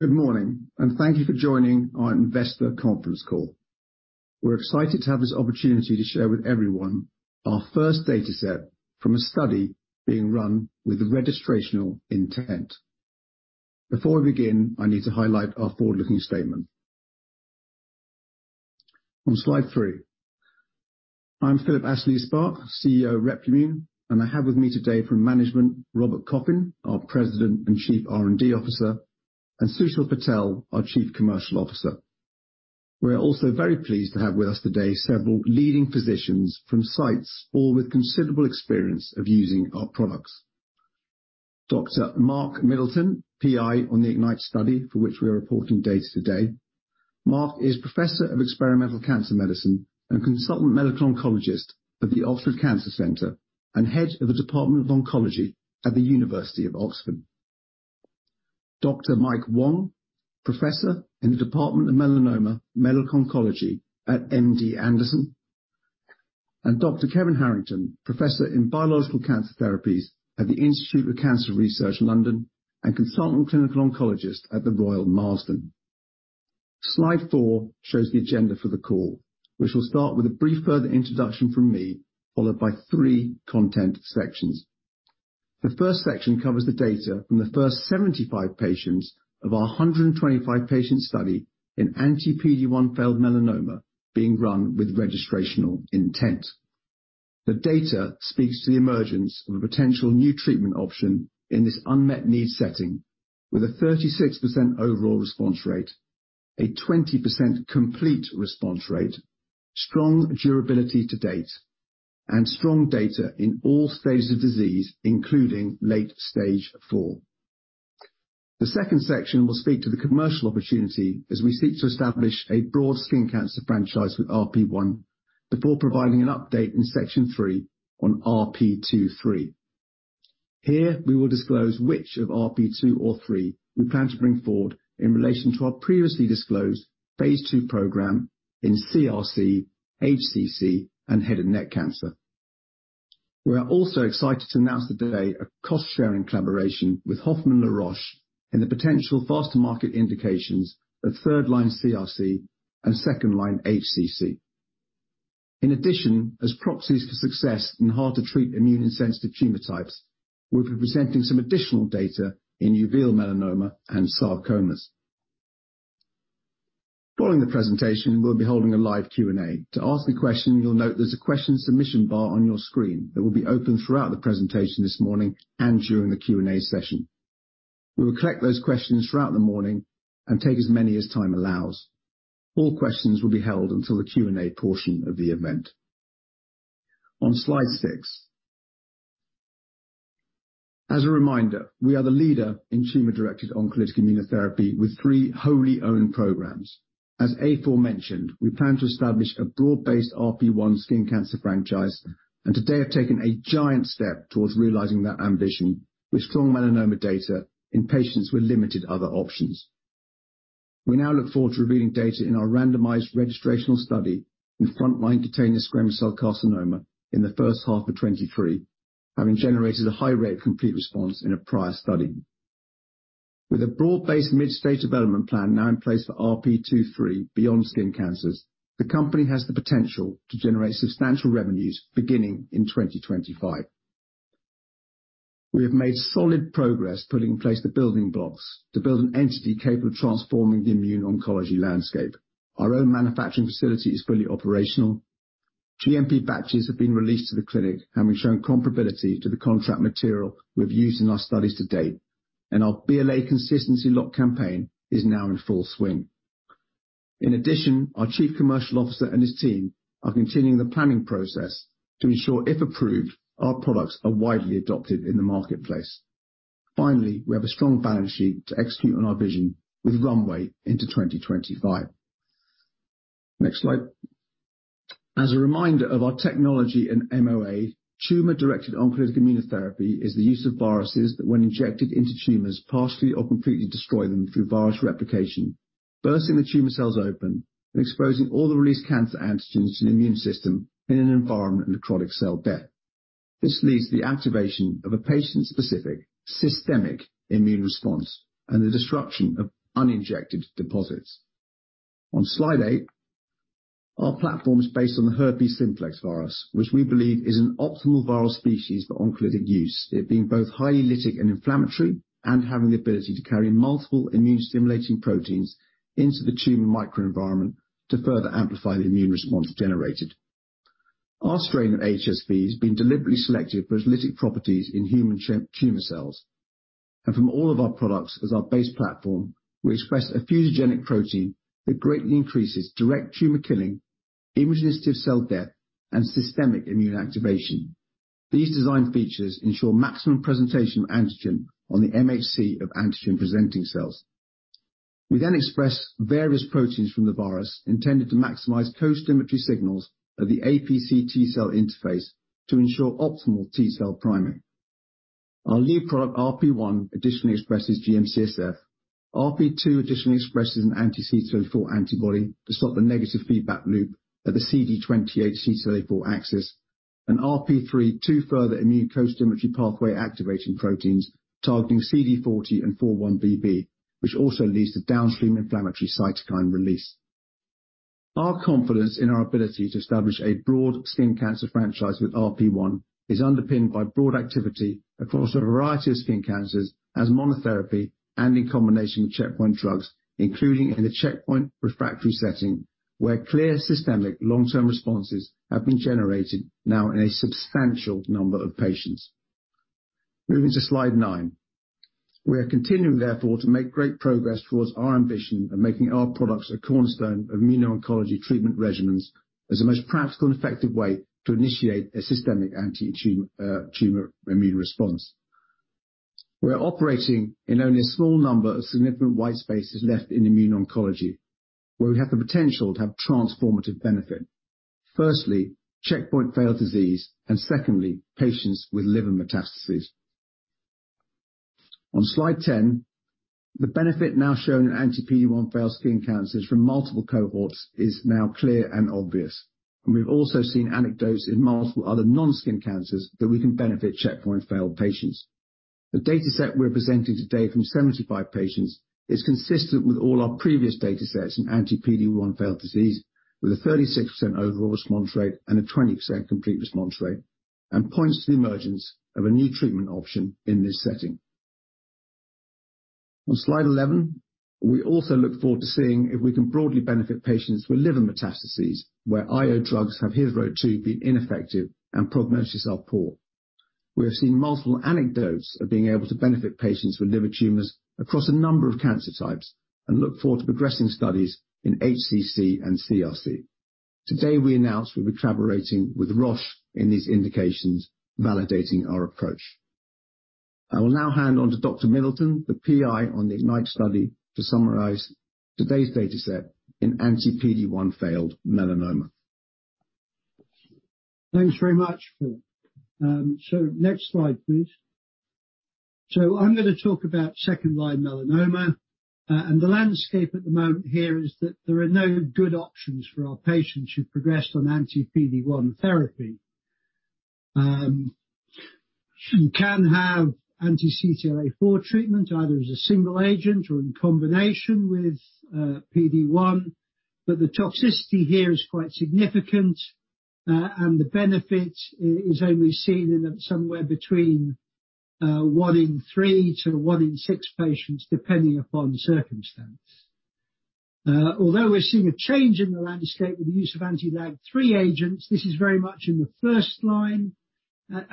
Good morning, thank you for joining our investor conference call. We're excited to have this opportunity to share with everyone our first data set from a study being run with the registrational intent. Before we begin, I need to highlight our forward-looking statement. On slide three. I'm Philip Astley-Sparke, CEO of Replimune Group, I have with me today from management, Robert Coffin, our President and Chief R&D Officer, and Sushil Patel, our Chief Commercial Officer. We're also very pleased to have with us today several leading physicians from sites all with considerable experience of using our products. Dr. Mark Middleton, PI on the IGNYTE study for which we are reporting data today. Mark is Professor of Experimental Cancer Medicine and Consultant Medical Oncologist at the Oxford Cancer Center, Head of the Department of Oncology at the University of Oxford. Dr. Mike Wong, Professor in the Department of Melanoma Medical Oncology at MD Anderson, and Dr. Kevin Harrington, Professor in Biological Cancer Therapies at The Institute of Cancer Research, London, and Consultant Clinical Oncologist at the Royal Marsden. Slide four shows the agenda for the call, which will start with a brief further introduction from me, followed by three content sections. The first section covers the data from the first 75 patients, of our 125 patient study in anti-PD-1 failed melanoma being run with registrational intent. The data speaks to the emergence of a potential new treatment option in this unmet need setting, with a 36% overall response rate, a 20% complete response rate, strong durability to date, and strong data in all stages of disease, including late stage four. The second section will speak to the commercial opportunity, as we seek to establish a broad skin cancer franchise with RP1 before providing an update in section three on RP2/3. Here we will disclose which of RP two or three we plan to bring forward, in relation to our previously disclosed phase two program in CRC, HCC, and head and neck cancer. We are also excited to announce today a cost-sharing collaboration with Hoffmann-La Roche in the potential faster market indications, of third line CRC and second line HCC. As proxies for success in hard to treat immune-insensitive tumor types, we'll be presenting some additional data in uveal melanoma and sarcomas. Following the presentation, we'll be holding a live Q&A. To ask a question, you'll note there's a question submission bar on your screen that will be open throughout the presentation this morning and during the Q&A session. We will collect those questions throughout the morning, and take as many as time allows. All questions will be held until the Q&A portion of the event. On slide six. As a reminder, we are the leader in tumor-directed oncolytic immunotherapy with three wholly owned programs. As aforementioned, we plan to establish a broad-based RP1 skin cancer franchise, and today have taken a giant step towards realizing that ambition, with strong melanoma data in patients with limited other options. We now look forward to revealing data in our randomized registrational study, in frontline cutaneous squamous cell carcinoma in the first half of 2023, having generated a high rate of complete response in a prior study. With a broad-based mid-stage development plan now in place for RP2/3 beyond skin cancers, the company has the potential to generate substantial revenues beginning in 2025. We have made solid progress putting in place the building blocks, to build an entity capable of transforming the immuno-oncology landscape. Our own manufacturing facility is fully operational. GMP batches have been released to the clinic, having shown comparability to the contract material we've used in our studies to date, and our BLA consistency lock campaign is now in full swing. In addition, our Chief Commercial Officer and his team are continuing the planning process to ensure, if approved, our products are widely adopted in the marketplace. Finally, we have a strong balance sheet to execute on our vision with runway into 2025. Next slide. As a reminder of our technology and MOA, tumor-directed oncolytic immunotherapy is the use of viruses that when injected into tumors, partially or completely destroy them through virus replication, bursting the tumor cells open and exposing all the released cancer antigens to the immune system in an environment of necrotic cell death. This leads to the activation of a patient-specific, systemic immune response and the disruption of uninjected deposits. On slide eight. Our platform is based on the herpes simplex virus, which we believe is an optimal viral species for oncolytic use, it being both highly lytic and inflammatory and having the ability to carry multiple immune-stimulating proteins into the tumor microenvironment to further amplify the immune response generated. Our strain of HSV has been deliberately selected for its lytic properties in human tumor cells, and from all of our products as our base platform, we express a fusogenic protein that greatly increases direct tumor killing, immunogenic cell death, and systemic immune activation. These design features ensure maximum presentation of antigen on the MHC of antigen-presenting cells. We then express various proteins from the virus intended to maximize costimulatory signals at the APC T cell interface to ensure optimal T cell priming. Our lead product, RP1, additionally expresses GM-CSF. RP2 additionally expresses an anti-CTLA-4 antibody to stop the negative feedback loop at the CD28 CTLA-4 axis. RP3, two further immune costimulatory pathway activating proteins targeting CD40 and 4-1BB, which also leads to downstream inflammatory cytokine release. Our confidence in our ability to establish a broad skin cancer franchise with RP1, is underpinned by broad activity across a variety of skin cancers as monotherapy and in combination with checkpoint drugs, including in the checkpoint refractory setting, where clear systemic long-term responses have been generated now in a substantial number of patients. Moving to slide nine. We are continuing, therefore, to make great progress towards our ambition of making our products a cornerstone of immuno-oncology treatment regimens as the most practical and effective way to initiate a systemic anti-tumor, tumor immune response. We are operating in only a small number of significant white spaces left in immuno-oncology, where we have the potential to have transformative benefit. Firstly, checkpoint failed disease and secondly, patients with liver metastases. On slide 10, the benefit now shown in anti-PD-1 failed skin cancers from multiple cohorts is now clear and obvious, and we've also seen anecdotes in multiple other non-skin cancers that we can benefit checkpoint failed patients. The dataset we're presenting today from 75 patients, is consistent with all our previous datasets in anti-PD-1 failed disease, with a 36% overall response rate and a 20% complete response rate, and points to the emergence of a new treatment option in this setting. On slide 11, we also look forward to seeing if we can broadly benefit patients with liver metastases, where IO drugs have hitherto been ineffective and prognoses are poor. We have seen multiple anecdotes of being able to benefit patients with liver tumors across a number of cancer types and look forward to progressing studies in HCC and CRC. Today, we announce we'll be collaborating with Roche in these indications, validating our approach. I will now hand on to Dr. Middleton, the PI on the IGNYTE study, to summarize today's dataset in anti-PD-1 failed melanoma. Thanks very much, Phil. Next slide, please. I'm gonna talk about second-line melanoma, and the landscape at the moment here is that there are no good options for our patients who've progressed on anti-PD-1 therapy. You can have anti-CTLA-4 treatment, either as a single agent or in combination with PD-1, but the toxicity here is quite significant, and the benefit is only seen in somewhere between one in three to one in six patients, depending upon circumstance. Although we're seeing a change in the landscape with the use of anti-LAG-3 agents, this is very much in the first line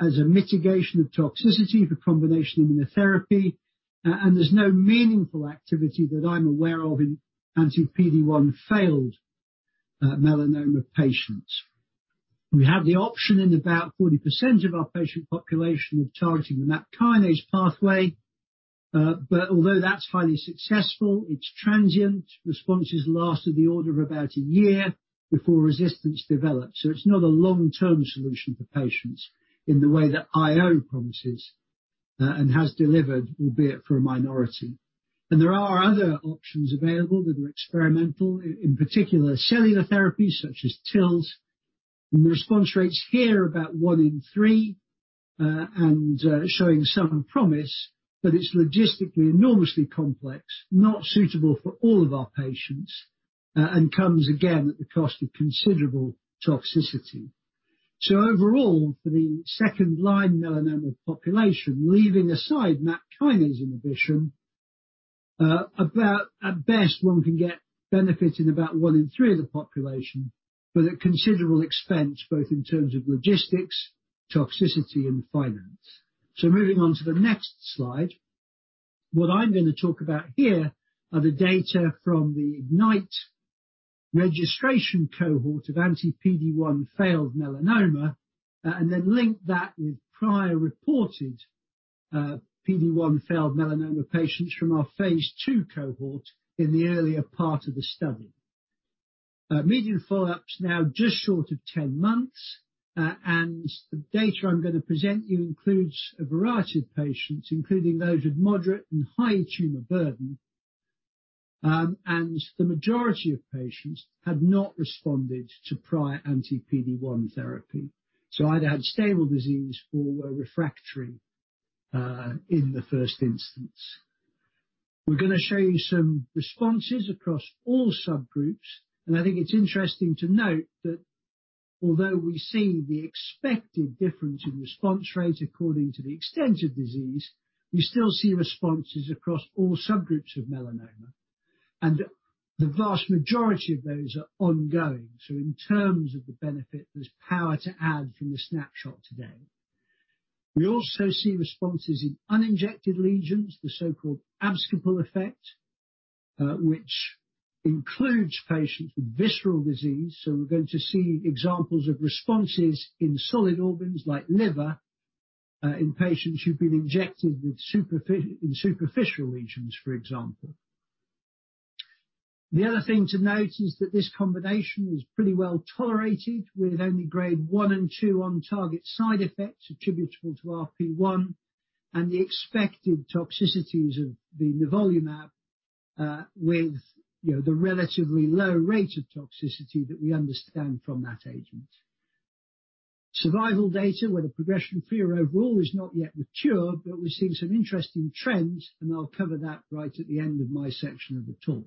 as a mitigation of toxicity for combination immunotherapy, and there's no meaningful activity that I'm aware of in anti-PD-1 failed melanoma patients. We have the option in about 40% of our patient population of targeting the MAP kinase pathway, but although that's highly successful, it's transient. Responses last in the order of about a year before resistance develops, so it's not a long-term solution for patients in the way that IO promises and has delivered, albeit for a minority. And there are other options available that are experimental, in particular, cellular therapies such as TILs, and the response rates here are about one in three, and showing some promise, but it's logistically enormously complex, not suitable for all of our patients, and comes again at the cost of considerable toxicity. Overall, for the second-line melanoma population, leaving aside MAP kinase inhibition, about- At best, one can get benefit in about one in three of the population, but at considerable expense, both in terms of logistics, toxicity, and finance. Moving on to the next slide. What I'm gonna talk about here are the data from the IGNYTE registration cohort of anti-PD-1 failed melanoma, and then link that with prior reported PD-1 failed melanoma patients from our phase two cohort in the earlier part of the study. Median follow-up's now just short of 10 months, and the data I'm gonna present you includes a variety of patients, including those with moderate and high tumor burden, and the majority of patients had not responded to prior anti-PD-1 therapy, so either had stable disease or were refractory in the first instance. We're gonna show you some responses across all subgroups. I think it's interesting to note, that although we see the expected difference in response rates according to the extent of disease, we still see responses across all subgroups of melanoma. The vast majority of those are ongoing, so in terms of the benefit, there's power to add from the snapshot today. We also see responses in uninjected lesions, the so-called abscopal effect, which includes patients with visceral disease. We're going to see examples of responses in solid organs like liver, in patients who've been injected in superficial lesions, for example. The other thing to note is that this combination was pretty well-tolerated, with only grade one and two on target side effects attributable to RP1 and the expected toxicities of the nivolumab. With, you know, the relatively low rate of toxicity that we understand from that agent. Survival data where the progression-free or overall is not yet mature, but we're seeing some interesting trends, and I'll cover that right at the end of my section of the talk.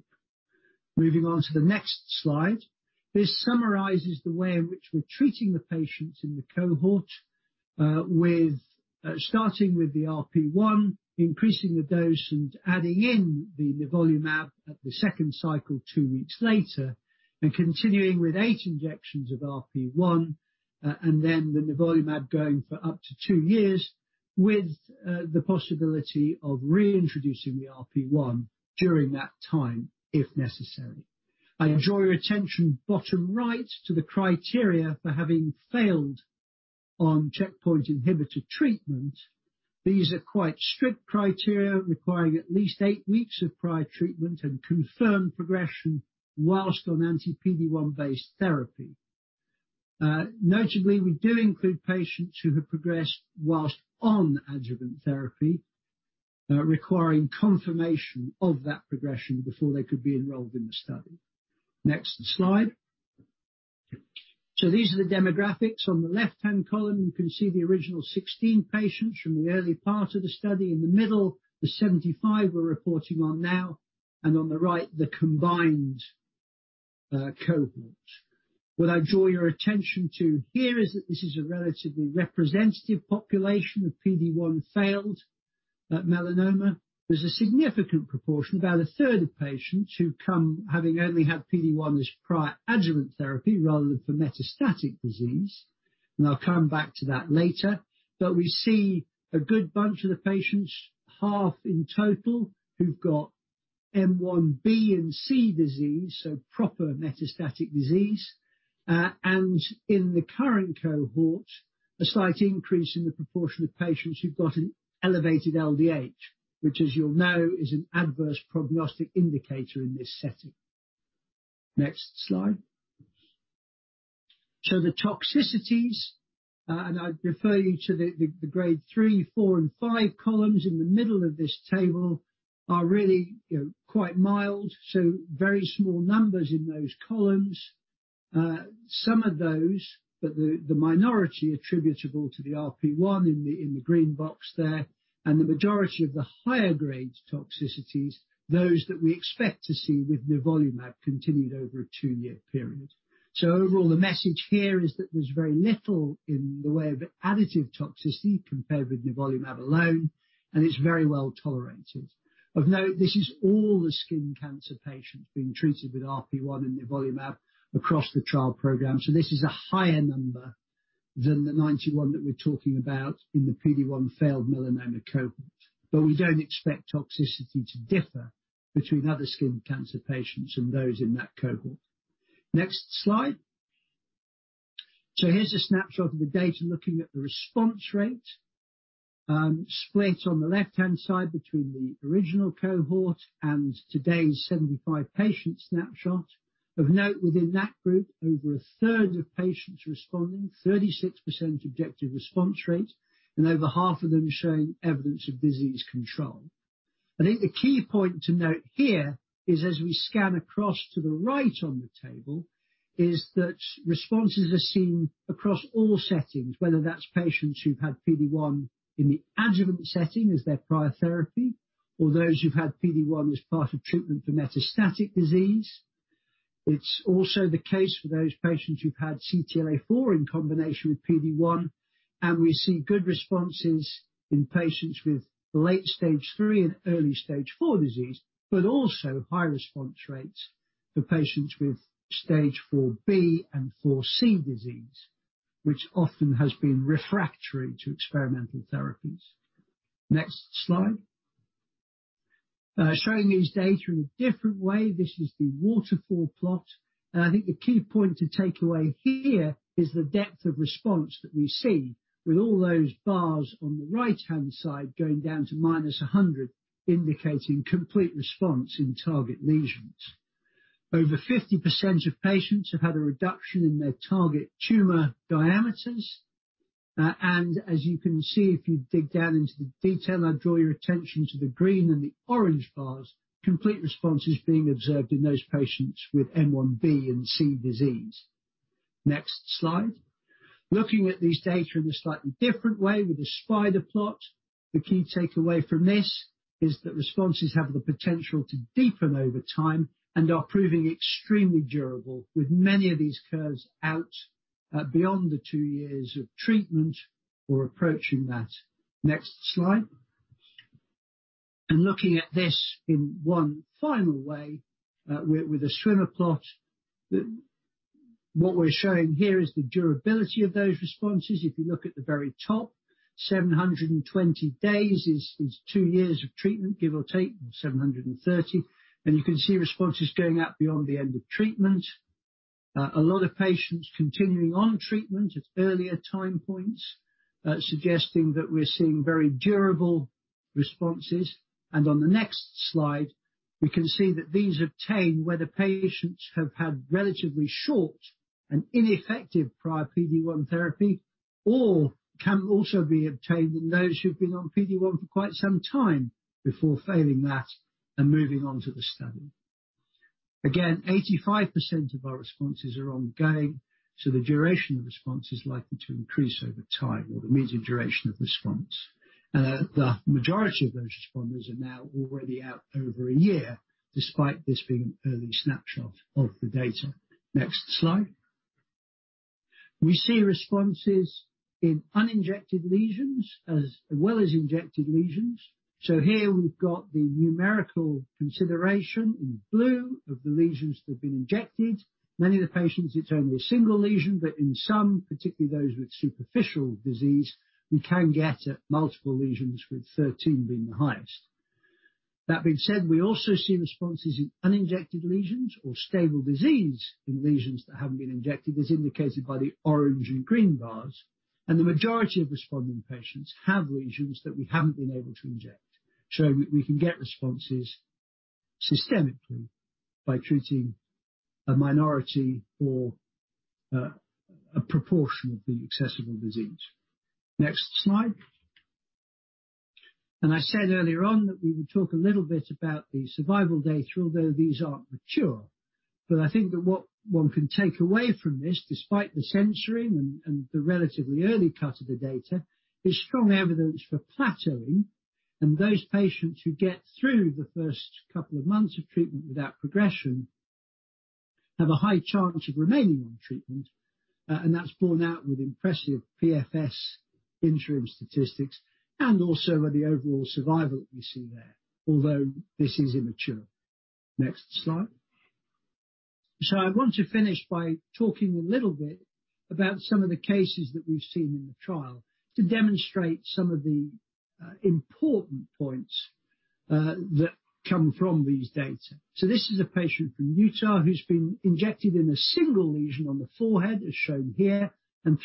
Moving on to the next slide. This summarizes the way in which we're treating the patients in the cohort, with starting with the RP1, increasing the dose and adding in the nivolumab at the second cycle, two weeks later, and continuing with eight injections of RP1, and then the nivolumab going for up to two years with the possibility of reintroducing the RP1 during that time if necessary. I draw your attention bottom right to the criteria for having failed on checkpoint inhibitor treatment. These are quite strict criteria requiring at least eight weeks of prior treatment and confirmed progression, whilst on anti-PD-1 based therapy. Notably, we do include patients who have progressed whilst on adjuvant therapy, requiring confirmation of that progression before they could be enrolled in the study. Next slide. These are the demographics. On the left-hand column, you can see the original 16 patients from the early part of the study. In the middle, the 75 we're reporting on now, and on the right, the combined cohort. I draw your attention to here is that this is a relatively representative population of PD-1 failed at melanoma. There's a significant proportion, about a third of patients, who come having only had PD-1 as prior adjuvant therapy rather than for metastatic disease, and I'll come back to that later. We see a good bunch of the patients, half in total, who've got M1b and M1c disease, so proper metastatic disease. In the current cohort, a slight increase in the proportion of patients who've got an elevated LDH, which as you'll know, is an adverse prognostic indicator in this setting. Next slide. The toxicities, and I refer you to the grade three, four, and five columns in the middle of this table are really, you know, quite mild. Very small numbers in those columns. Some of those, but the minority attributable to the RP1 in the green box there. The majority of the higher grade toxicities, those that we expect to see with nivolumab continued over a two year period. Overall, the message here is that there's very little in the way of additive toxicity compared with nivolumab alone, and it's very well tolerated. Of note, this is all the skin cancer patients being treated with RP1 and nivolumab across the trial program, this is a higher number than the 91 that we're talking about in the PD-1 failed melanoma cohort. We don't expect toxicity to differ between other skin cancer patients and those in that cohort. Next slide. Here's a snapshot of the data looking at the response rate, split on the left-hand side between the original cohort and today's 75 patient snapshot. Of note, within that group, over a third of patients responding, 36% objective response rate, and over half of them showing evidence of disease control. I think the key point to note here is as we scan across to the right on the table, is that responses are seen across all settings, whether that's patients who've had PD-1 in the adjuvant setting as their prior therapy, or those who've had PD-1 as part of treatment for metastatic disease. It's also the case for those patients who've had CTLA-4 in combination with PD-1. We see good responses in patients with late stage three and early stage four disease. Also high response rates for patients with stage four B and four C disease, which often has been refractory to experimental therapies. Next slide. Showing these data in a different way. This is the waterfall plot. I think the key point to take away here is the depth of response that we see with all those bars on the right-hand side going down to -100, indicating complete response in target lesions. Over 50% of patients have had a reduction in their target tumor diameters. As you can see, if you dig down into the detail, I draw your attention to the green and the orange bars, complete responses being observed in those patients with M1b and M1c disease. Next slide. Looking at these data in a slightly different way with a spider plot, the key takeaway from this, is that responses have the potential to deepen over time and are proving extremely durable with many of these curves out beyond the two years of treatment or approaching that. Next slide. Looking at this in one final way, with a swimmer plot. What we're showing here is the durability of those responses. If you look at the very top, 720 days is two years of treatment, give or take 730, and you can see responses going out beyond the end of treatment. A lot of patients continuing on treatment at earlier time points, suggesting that we're seeing very durable responses. On the next slide, we can see that these obtain whether patients have had relatively short, and ineffective prior PD-1 therapy, or can also be obtained in those who've been on PD-1 for quite some time before failing that and moving on to the study. Again, 85% of our responses are ongoing, so the duration of response is likely to increase over time or the median duration of response. The majority of those responders are now already out over a year, despite this being an early snapshot of the data. Next slide. We see responses in uninjected lesions as well as injected lesions. Here we've got the numerical consideration in blue of the lesions that have been injected. Many of the patients, it's only a single lesion, but in some, particularly those with superficial disease, we can get at multiple lesions, with 13 being the highest. That being said, we also see responses in uninjected lesions or stable disease in lesions that haven't been injected, as indicated by the orange and green bars. The majority of responding patients have lesions that we haven't been able to inject, so we can get responses systemically by treating a minority or a proportion of the accessible disease. Next slide. I said earlier on that we would talk a little bit about the survival data, although these aren't mature. I think that what one can take away from this, despite the censoring and the relatively early cut of the data, is strong evidence for plateauing. Those patients who get through the first couple of months of treatment without progression have a high chance of remaining on treatment. That's borne out with impressive PFS interim statistics and also the overall survival that we see there, although this is immature. Next slide. I want to finish by talking a little bit, about some of the cases that we've seen in the trial to demonstrate some of the important points that come from these data. This is a patient from Utah who's been injected in a single lesion on the forehead, as shown here.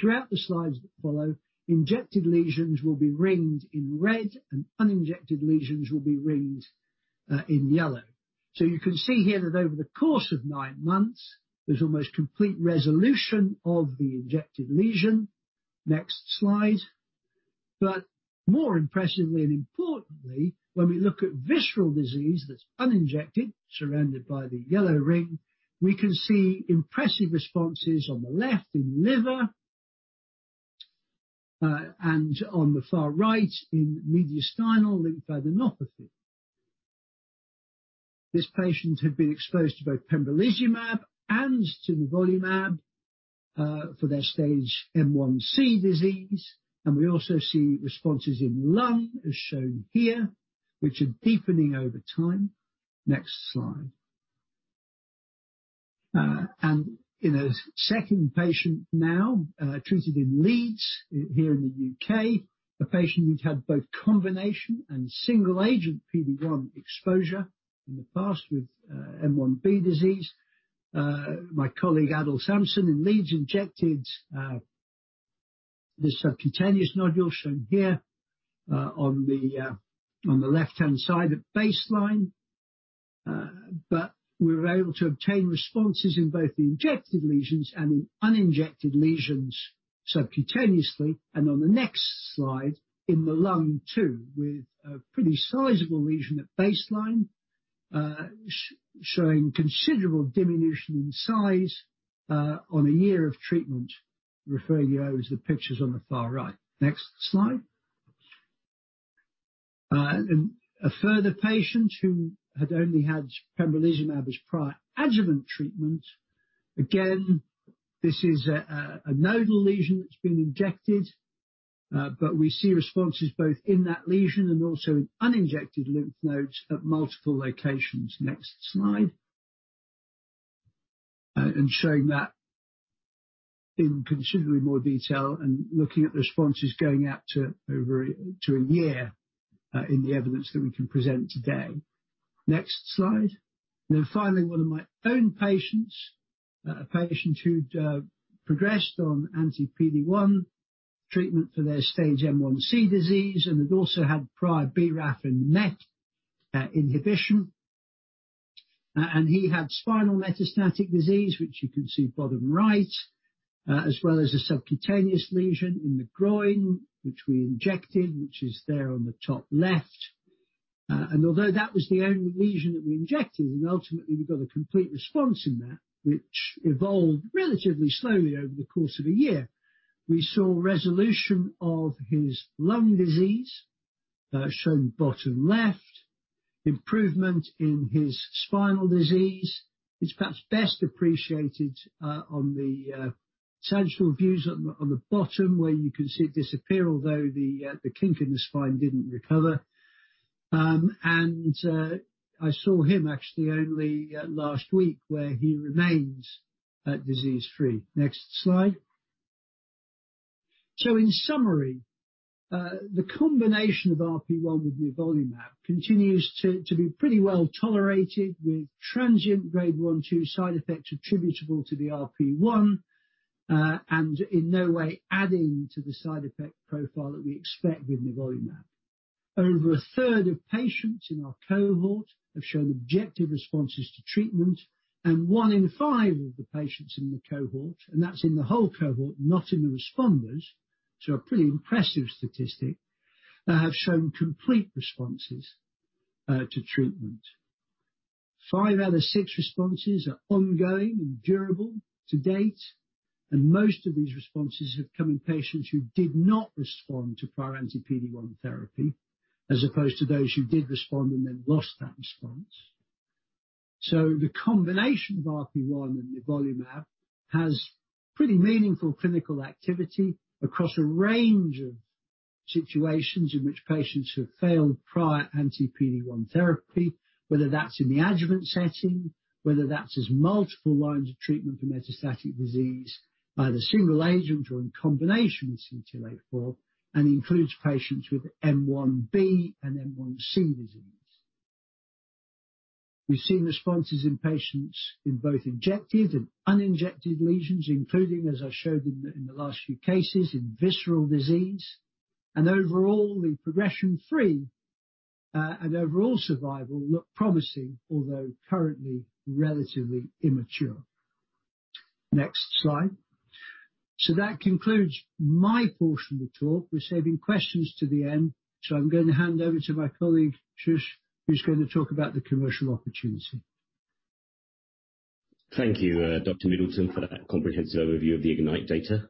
Throughout the slides that follow, injected lesions will be ringed in red and uninjected lesions will be ringed in yellow. You can see here that over the course of nine months, there's almost complete resolution of the injected lesion. Next slide. More impressively and importantly, when we look at visceral disease that's uninjected, surrounded by the yellow ring, we can see impressive responses on the left in liver and on the far right in mediastinal lymphadenopathy. This patient had been exposed to both pembrolizumab and to nivolumab for their stage M1c disease. We also see responses in lung, as shown here, which are deepening over time. Next slide. In a second patient now, treated in Leeds here in the U.K., a patient who’s had both combination and single agent PD-1 exposure in the past with M1b disease. My colleague Adel Samson in Leeds injected the subcutaneous nodule shown here on the left-hand side at baseline. We were able to obtain responses in both the injected lesions and in uninjected lesions subcutaneously and on the next slide, in the lung too, with a pretty sizable lesion at baseline, showing considerable diminution in size, on a year of treatment, refer you over to the pictures on the far right. Next slide. A further patient who had only had pembrolizumab as prior adjuvant treatment. Again, this is a nodal lesion that's been injected, we see responses both in that lesion and also in uninjected lymph nodes at multiple locations. Next slide. Showing that in considerably more detail and looking at the responses going out to over a year, in the evidence that we can present today. Next slide. Finally, one of my own patients. A patient who'd progressed on anti-PD-1, treatment for their stage M1c disease and had also had prior BRAF and MEK inhibition. He had spinal metastatic disease, which you can see bottom right, as well as a subcutaneous lesion in the groin, which we injected, which is there on the top left. Although that was the only lesion that we injected, and ultimately we got a complete response in that, which evolved relatively slowly over the course of a year. We saw resolution of his lung disease, shown bottom left, improvement in his spinal disease. It's perhaps best appreciated on the sagittal views on the bottom where you can see it disappear, although the kink in the spine didn't recover. I saw him actually only last week where he remains disease-free. Next slide. In summary, the combination of RP1 with nivolumab continues to be pretty well-tolerated with transient grade one, two side effects attributable to the RP1, and in no way adding to the side effect profile that we expect with nivolumab. Over a third of patients in our cohort have shown objective responses to treatment and one in five of the patients in the cohort, and that's in the whole cohort, not in the responders, so a pretty impressive statistic, have shown complete responses to treatment. Five out of six responses are ongoing and durable to date, and most of these responses have come in patients who did not respond to prior anti-PD-1 therapy, as opposed to those who did respond and then lost that response. The combination of RP1 and nivolumab has pretty meaningful clinical activity across a range of situations in which patients who have failed prior anti-PD-1 therapy, whether that's in the adjuvant setting, whether that's as multiple lines of treatment for metastatic disease by the single agent or in combination with CTLA-4 and includes patients with M1b and M1c disease. We've seen responses in patients in both injected and uninjected lesions, including, as I showed in the, in the last few cases, in visceral disease. Overall, the progression free and overall survival look promising, although currently relatively immature. Next slide. That concludes my portion of the talk. We're saving questions to the end, so I'm gonna hand over to my colleague, Sush, who's gonna talk about the commercial opportunity. Thank you, Dr. Middleton, for that comprehensive overview of the IGNYTE data.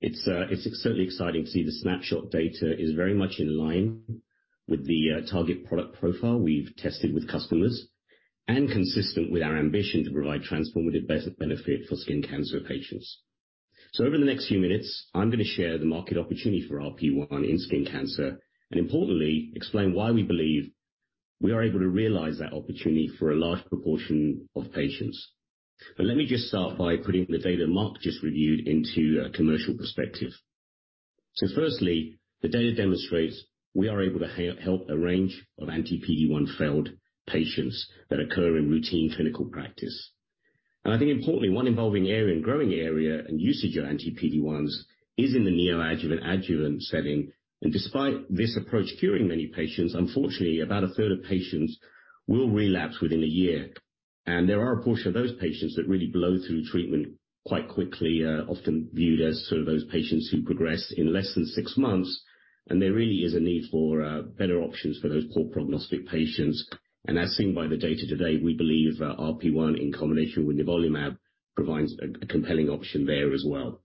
It's, it's certainly exciting to see the snapshot data is very much in line with the target product profile we've tested with customers and consistent with our ambition to provide transformative benefit for skin cancer patients. Over the next few minutes, I'm gonna share the market opportunity for RP1 in skin cancer, and importantly, explain why we believe we are able to realize that opportunity for a large proportion of patients. Let me just start by putting the data Mark just reviewed into a commercial perspective. Firstly, the data demonstrates we are able to help a range of anti-PD-1 failed patients that occur in routine clinical practice. I think importantly, one involving area and growing area and usage of anti-PD-1s is in the neoadjuvant/adjuvant setting. Despite this approach curing many patients, unfortunately, about a third of patients will relapse within a year. There are a portion of those patients that really blow through treatment quite quickly, often viewed as sort of those patients who progress in less than six months. There really is a need for better options for those poor prognostic patients. As seen by the data today, we believe RP1 in combination with nivolumab provides a compelling option there as well.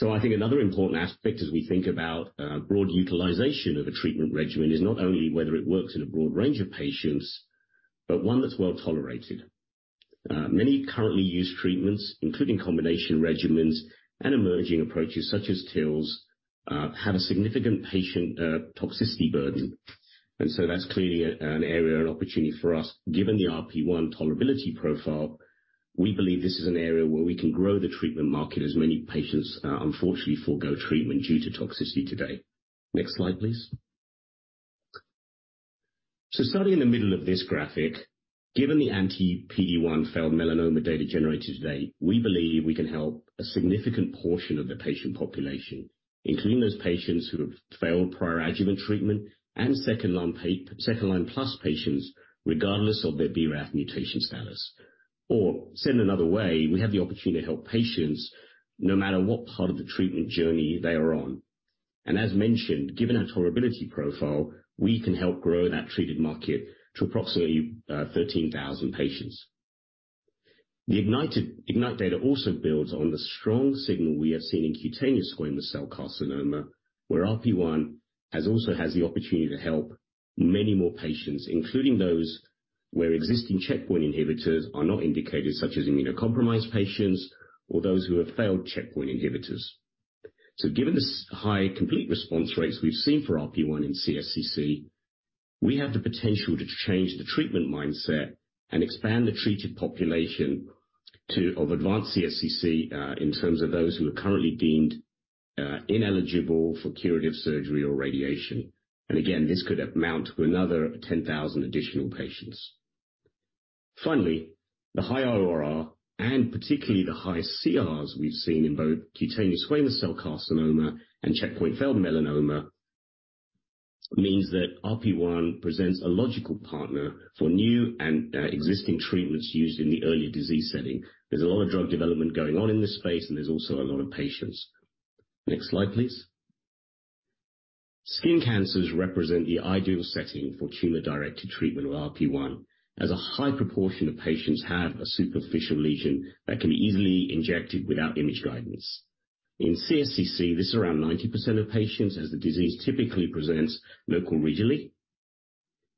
I think another important aspect as we think about broad utilization of a treatment regimen is not only whether it works in a broad range of patients, but one that's well-tolerated. Many currently used treatments, including combination regimens and emerging approaches such as TILs, have a significant patient toxicity burden. That's clearly an area of opportunity for us. Given the RP1 tolerability profile, we believe this is an area where we can grow the treatment market as many patients unfortunately forgo treatment due to toxicity today. Next slide, please. Starting in the middle of this graphic, given the anti-PD-1 failed melanoma data generated today, we believe we can help a significant portion of the patient population, including those patients who have failed prior adjuvant treatment and second line plus patients, regardless of their BRAF mutation status. Said another way, we have the opportunity to help patients no matter what part of the treatment journey they are on. As mentioned, given our tolerability profile, we can help grow that treated market to approximately 13,000 patients. The IGNYTE data also builds on the strong signal we have seen in cutaneous squamous cell carcinoma, where RP1 has the opportunity to help many more patients, including those where existing checkpoint inhibitors are not indicated, such as immunocompromised patients or those who have failed checkpoint inhibitors. Given this high complete response rates we've seen for RP1 in CSCC, we have the potential to change the treatment mindset, and expand the treated population of advanced CSCC, in terms of those who are currently deemed ineligible for curative surgery or radiation. Again, this could amount to another 10,000 additional patients. Finally, the high ORR, and particularly the high CRs we've seen in both cutaneous squamous cell carcinoma and checkpoint failed melanoma, means that RP1 presents a logical partner for new and existing treatments used in the earlier disease setting. There's a lot of drug development going on in this space, and there's also a lot of patients. Next slide, please. Skin cancers represent the ideal setting for tumor-directed treatment with RP1, as a high proportion of patients have a superficial lesion that can be easily injected without image guidance. In CSCC, this is around 90% of patients as the disease typically presents local regionally.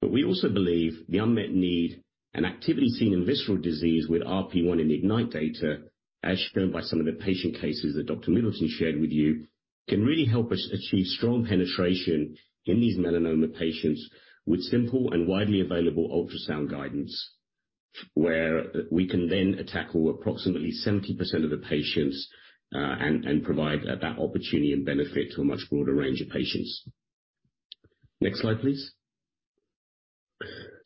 We also believe the unmet need and activity seen in visceral disease with RP1 in the IGNYTE data, as shown by some of the patient cases that Dr. Middleton shared with you, can really help us achieve strong penetration in these melanoma patients with simple and widely available ultrasound guidance. Where we can then tackle approximately 70% of the patients, and provide that opportunity and benefit to a much broader range of patients. Next slide, please.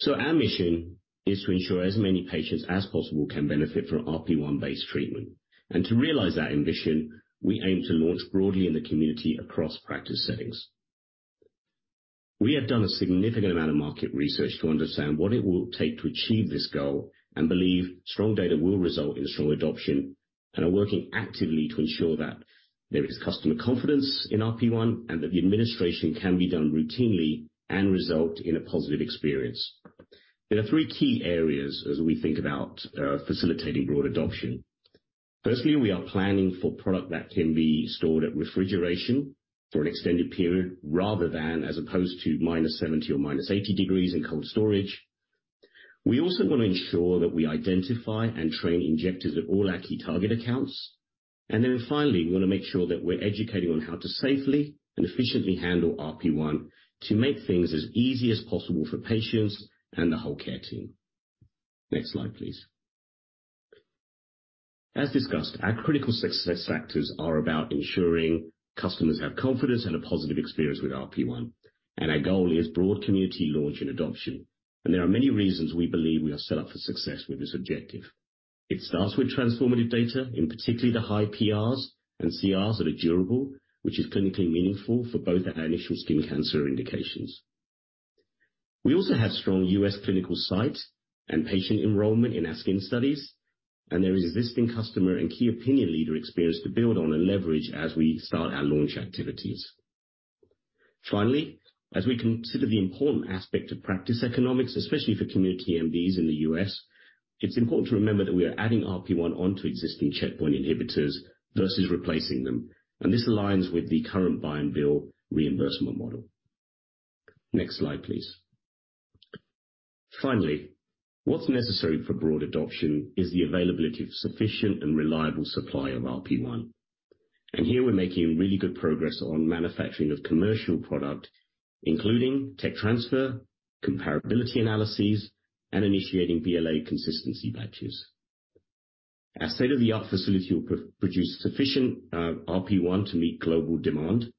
Our mission is to ensure as many patients as possible can benefit from RP1-based treatment. To realize that ambition, we aim to launch broadly in the community across practice settings. We have done a significant amount of market research to understand what it will take to achieve this goal, and believe strong data will result in strong adoption, and are working actively to ensure that there is customer confidence in RP1, and that the administration can be done routinely and result in a positive experience. There are three key areas as we think about facilitating broad adoption. Firstly, we are planning for product that can be stored at refrigeration for an extended period, rather than as opposed to minus 70 or minus 80 degrees in cold storage. We also want to ensure that we identify and train injectors at all our key target accounts. Finally, we want to make sure that we're educating on how to safely and efficiently handle RP1, to make things as easy as possible for patients and the whole care team. Next slide, please. As discussed, our critical success factors are about ensuring customers have confidence and a positive experience with RP1. Our goal is broad community launch and adoption. There are many reasons we believe we are set up for success with this objective. It starts with transformative data, in particularly the high PRs and CRs that are durable, which is clinically meaningful for both our initial skin cancer indications. We also have strong U.S. clinical sites and patient enrollment in our skin studies, and there is existing customer and key opinion leader experience to build on and leverage as we start our launch activities. As we consider the important aspect of practice economics, especially for community MDs in the U.S., it's important to remember that we are adding RP1 onto existing checkpoint inhibitors versus replacing them. This aligns with the current buy and bill reimbursement model. Next slide, please. Finally what's necessary for broad adoption is the availability of sufficient and reliable supply of RP1. Here we're making really good progress on manufacturing of commercial product, including tech transfer, comparability analyses, and initiating BLA consistency batches. Our state-of-the-art facility will produce sufficient RP1 to meet global demand.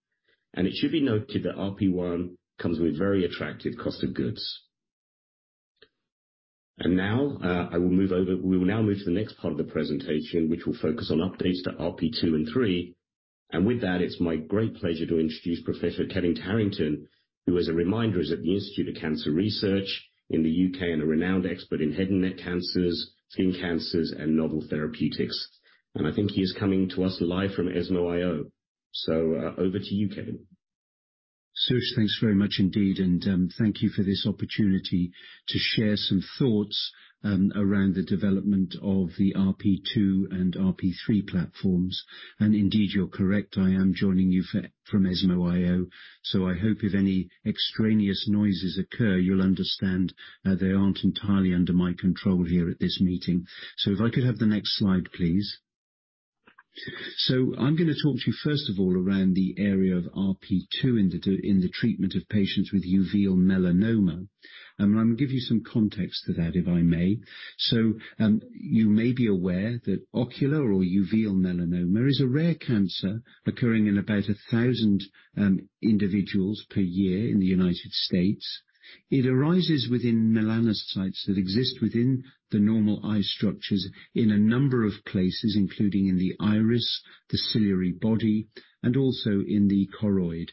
It should be noted that RP1 comes with very attractive cost of goods. We will now move to the next part of the presentation, which will focus on updates to RP2 and RP3. With that, it's my great pleasure to introduce Professor Kevin Harrington, who as a reminder, is at The Institute of Cancer Research in the UK and a renowned expert in head and neck cancers, skin cancers and novel therapeutics. I think he is coming to us live from ESMO IO. Over to you, Kevin. Sush, thanks very much indeed. Thank you for this opportunity, to share some thoughts around the development of the RP2 and RP3 platforms. Indeed, you're correct, I am joining you from ESMO IO. I hope if any extraneous noises occur, you'll understand that they aren't entirely under my control here at this meeting. If I could have the next slide, please. I'm gonna talk to you first of all around the area of RP2 in the treatment of patients with uveal melanoma. I'm gonna give you some context to that, if I may. You may be aware that ocular or uveal melanoma is a rare cancer occurring in about 1,000 individuals per year in the United States. It arises within melanocytes that exist within, the normal eye structures in a number of places, including in the iris, the ciliary body, and also in the choroid,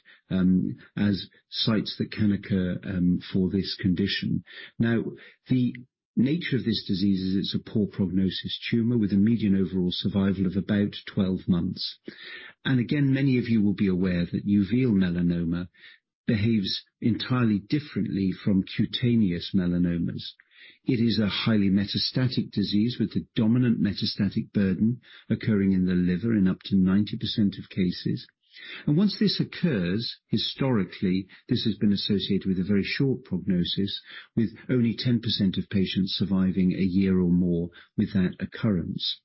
as sites that can occur for this condition. The nature of this disease is it's a poor prognosis tumor with a median overall survival of about 12 months. Again, many of you will be aware that uveal melanoma behaves entirely differently from cutaneous melanomas. It is a highly metastatic disease with a dominant metastatic burden occurring in the liver in up to 90% of cases. Once this occurs, historically, this has been associated with a very short prognosis, with only 10% of patients surviving a year or more with that occurrence.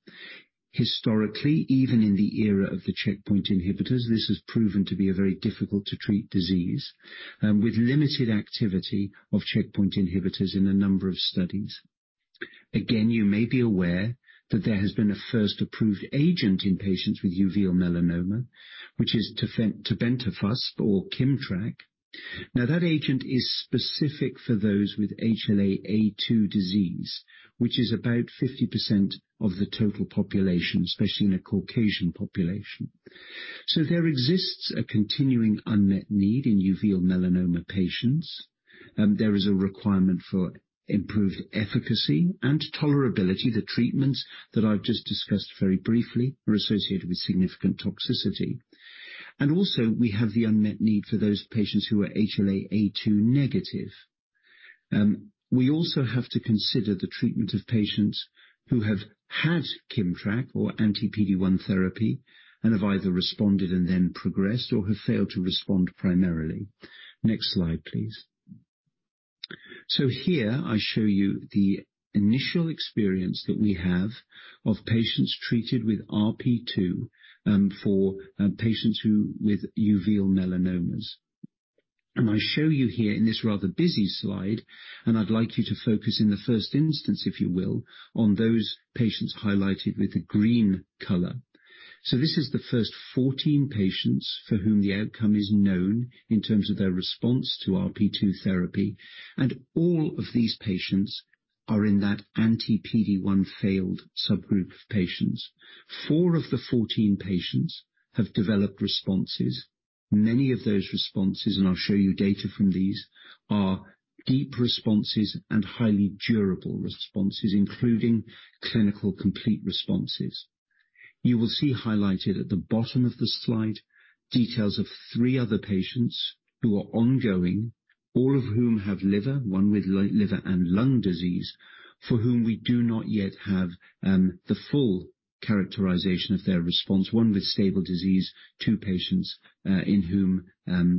Historically, even in the era of the checkpoint inhibitors, this has proven to be a very difficult to treat disease, with limited activity of checkpoint inhibitors in a number of studies. You may be aware that there has been a first approved agent in patients with uveal melanoma, which is Tebentafusp or Kimmtrak. That agent is specific for those with HLA-A*02 disease, which is about 50% of the total population, especially in a Caucasian population. There exists a continuing unmet need in uveal melanoma patients. There is a requirement for improved efficacy and tolerability. The treatments that I've just discussed very briefly are associated with significant toxicity. We have the unmet need for those patients who are HLA-A*02 negative. We also have to consider the treatment of patients who have had Kimmtrak or anti-PD-1 therapy and have either responded and then progressed or have failed to respond primarily. Next slide, please. Here I show you the initial experience that we have, of patients treated with RP2 with uveal melanomas. I show you here in this rather busy slide, and I'd like you to focus in the first instance, if you will, on those patients highlighted with the green color. This is the first 14 patients for whom the outcome is known in terms of their response to RP2 therapy. All of these patients are in that anti-PD-1 failed subgroup of patients. four of the 14 patients have developed responses. Many of those responses, and I'll show you data from these, are deep responses and highly durable responses, including clinical Complete Responses. You will see highlighted at the bottom of the slide details of three other patients who are ongoing, all of whom have liver, one with liver and lung disease, for whom we do not yet have the full characterization of their response. One with stable disease, two patients in whom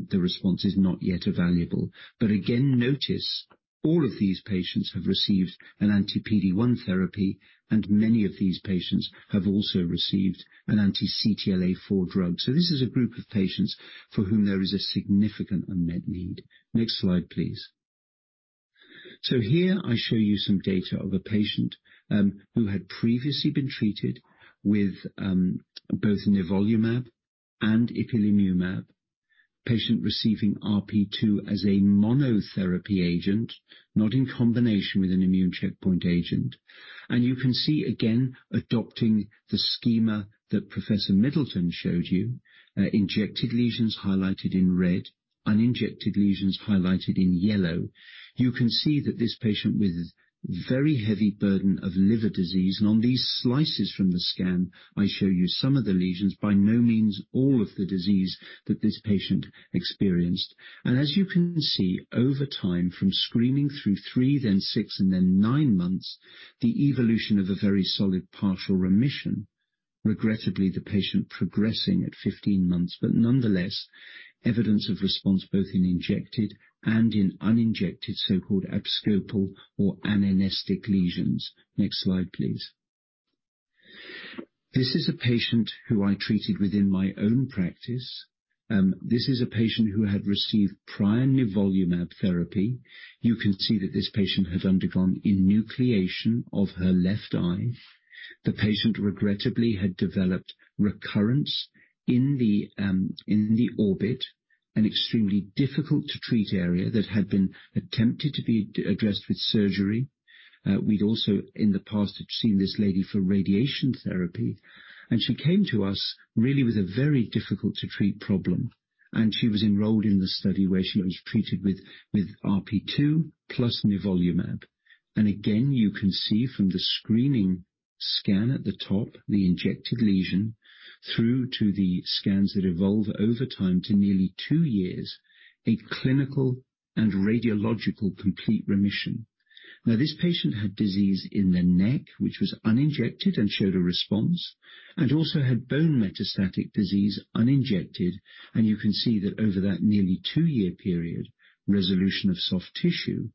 the response is not yet evaluable. Again, notice all of these patients have received an anti-PD-1 therapy, and many of these patients have also received an anti-CTLA-4 drug. This is a group of patients for whom there is a significant unmet need. Next slide, please. Here I show you some data of a patient who had previously been treated with both nivolumab and ipilimumab. Patient receiving RP2 as a monotherapy agent, not in combination with an immune checkpoint agent. You can see, again adopting the schema that Professor Middleton showed you, injected lesions highlighted in red, uninjected lesions highlighted in yellow. You can see that this patient with very heavy burden of liver disease. On these slices from the scan, I show you some of the lesions, by no means all of the disease that this patient experienced. As you can see, over time, from screening through three, then six, and then nine months, the evolution of a very solid partial remission. Regrettably, the patient progressing at 15 months, but nonetheless, evidence of response both in injected and in uninjected, so-called abscopal or anesthetic lesions. Next slide, please. This is a patient who I treated within my own practice. This is a patient who had received prior nivolumab therapy. You can see that this patient had undergone enucleation of her left eye. The patient regrettably had developed recurrence in the orbit, an extremely difficult to treat area that had been attempted to be addressed with surgery. We'd also in the past had seen this lady for radiation therapy. She came to us really with a very difficult to treat problem. She was enrolled in the study where she was treated with RP2 plus nivolumab. Again, you can see from the screening scan at the top, the injected lesion through to the scans that evolve over time to nearly two years, a clinical and radiological complete remission. Now, this patient had disease in the neck, which was uninjected and showed a response, and also had bone metastatic disease, uninjected. You can see that over that nearly two-year period, resolution of soft tissue,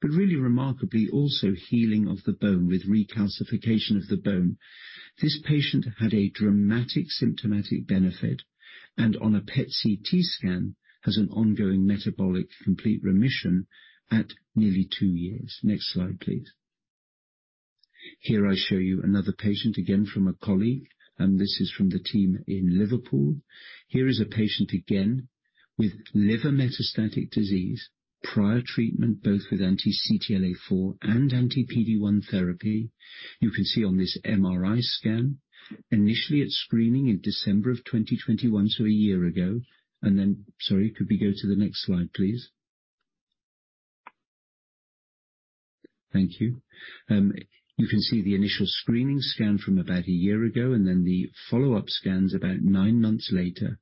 but really remarkably also healing of the bone with recalcification of the bone. This patient had a dramatic symptomatic benefit and on a PET-CT scan, has an ongoing metabolic complete remission at nearly two years. Next slide, please. Here I show you another patient, again from a colleague, and this is from the team in Liverpool. Here is a patient again with liver metastatic disease, prior treatment both with anti-CTLA-4 and anti-PD-1 therapy. You can see on this MRI scan, initially at screening in December of 2021, so a year ago. Sorry, could we go to the next slide, please? Thank you. You can see the initial screening scan from about a year ago and then the follow-up scans about nine months later.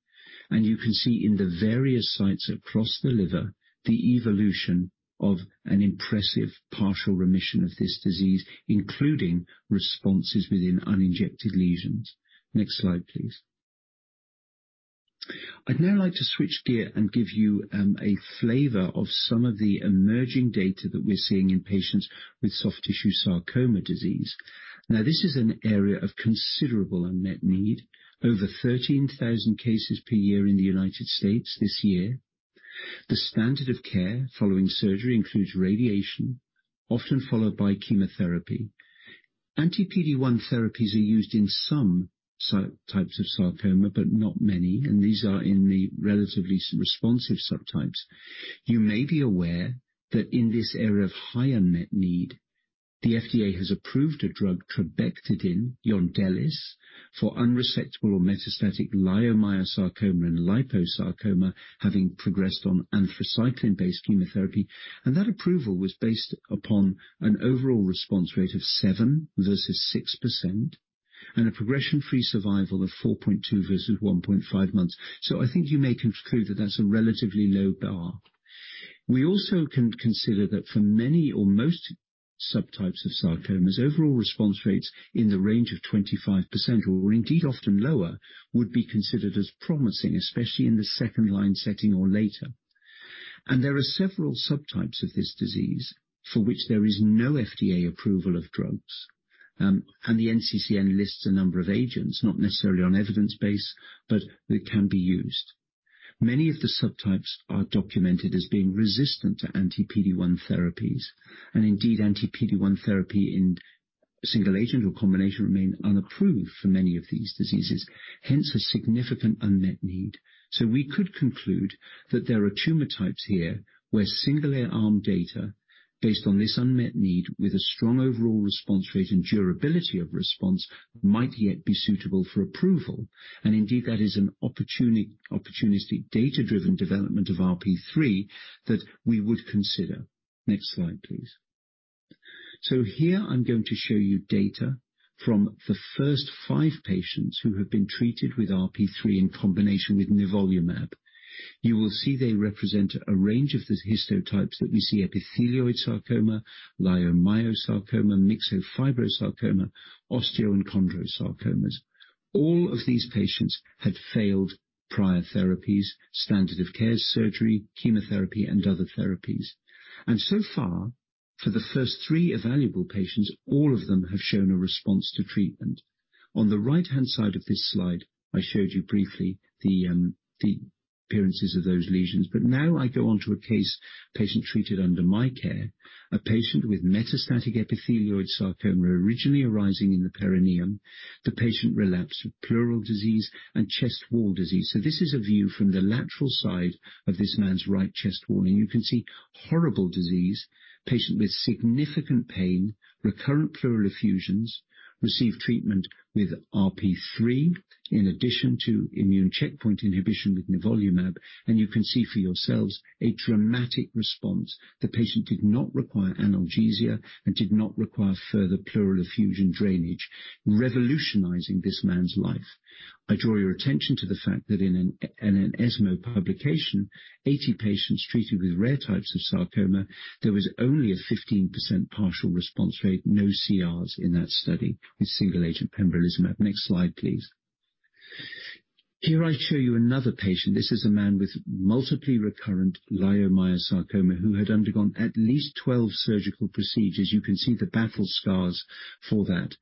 You can see in the various sites across the liver the evolution of an impressive partial remission of this disease, including responses within uninjected lesions. Next slide, please. I'd now like to switch gear and give you a flavor of some of the emerging data that we're seeing in patients with soft tissue sarcoma disease. Now, this is an area of considerable unmet need. Over 13,000 cases per year in the United States this year. The standard of care following surgery includes radiation, often followed by chemotherapy. anti-PD-1 therapies are used in some sub-types of sarcoma, but not many, and these are in the relatively responsive subtypes. You may be aware that in this area of higher net need, the FDA has approved a drug, trabectedin, Yondelis, for unresectable or metastatic leiomyosarcoma and liposarcoma having progressed on anthracycline-based chemotherapy. That approval was based upon an overall response rate of 7% versus 6% and a progression-free survival of 4.2 versus 1.5 months. I think you may conclude that that's a relatively low bar. We also consider that for many or most subtypes of sarcomas, overall response rates in the range of 25% or indeed often lower, would be considered as promising, especially in the second-line setting or later. There are several subtypes of this disease for which there is no FDA approval of drugs. The NCCN lists a number of agents, not necessarily on evidence base, but that can be used. Many of the subtypes are documented as being resistant to anti-PD-1 therapies, and indeed, anti-PD-1 therapy in single agent or combination remain unapproved for many of these diseases. A significant unmet need. We could conclude that there are tumor types here where single-arm data based on this unmet need with a strong overall response rate and durability of response might yet be suitable for approval. Indeed, that is an opportunistic data-driven development of RP3 that we would consider. Next slide, please. Here I'm going to show you data from the first five patients who have been treated with RP3 in combination with nivolumab. You will see they represent a range of these histotypes that we see epithelioid sarcoma, leiomyosarcoma, myxofibrosarcoma, osteo and chondrosarcomas. All of these patients had failed prior therapies, standard of care, surgery, chemotherapy and other therapies. And so far, for the first three evaluable patients, all of them have shown a response to treatment. On the right-hand side of this slide, I showed you briefly the appearances of those lesions, but now I go on to a case, patient treated under my care. A patient with metastatic epithelioid sarcoma, originally arising in the perineum. The patient relapsed with pleural disease and chest wall disease. This is a view from the lateral side of this man's right chest wall, and you can see horrible disease. Patient with significant pain, recurrent pleural effusions. Received treatment with RP3 in addition to immune checkpoint inhibition with nivolumab, and you can see for yourselves a dramatic response. The patient did not require analgesia and did not require further pleural effusion drainage, revolutionizing this man's life. I draw your attention to the fact that in an ESMO publication, 80 patients treated with rare types of sarcoma, there was only a 15% partial response rate. No CRs in that study with single-agent pembrolizumab. Next slide, please. Here I show you another patient. This is a man with multiply recurrent leiomyosarcoma who had undergone at least 12 surgical procedures. You can see the battle scars for that.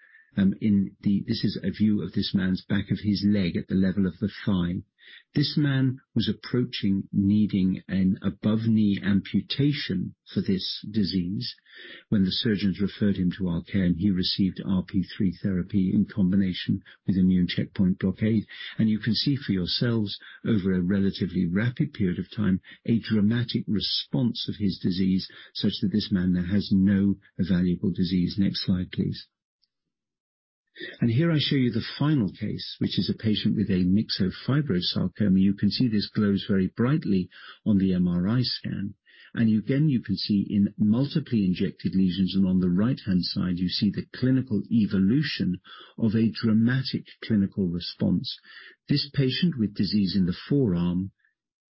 This is a view of this man's back of his leg at the level of the thigh. This man was approaching needing an above-knee amputation for this disease when the surgeons referred him to our care. He received RP3 therapy in combination with immune checkpoint blockade. You can see for yourselves, over a relatively rapid period of time, a dramatic response of his disease such that this man now has no evaluable disease. Next slide, please. Here I show you the final case, which is a patient with a myxofibrosarcoma. You can see this glows very brightly on the MRI scan. Again, you can see in multiply injected lesions and on the right-hand side you see the clinical evolution of a dramatic clinical response. This patient with disease in the forearm,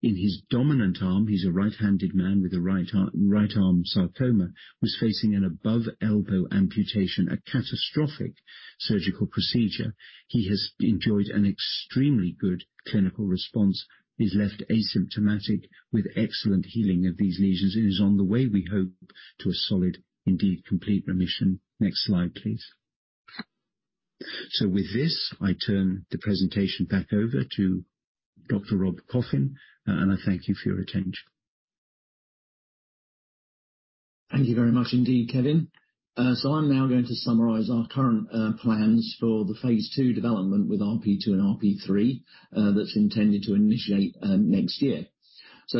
in his dominant arm, he's a right-handed man with a right arm sarcoma, was facing an above-elbow amputation, a catastrophic surgical procedure. He has enjoyed an extremely good clinical response, is left asymptomatic with excellent healing of these lesions and is on the way, we hope, to a solid indeed complete remission. Next slide, please. With this, I turn the presentation back over to Dr. Rob Coffin, and I thank you for your attention. Thank you very much indeed, Kevin. I'm now going to summarize our current plans for the phase two development with RP2 and RP3 that's intended to initiate next year.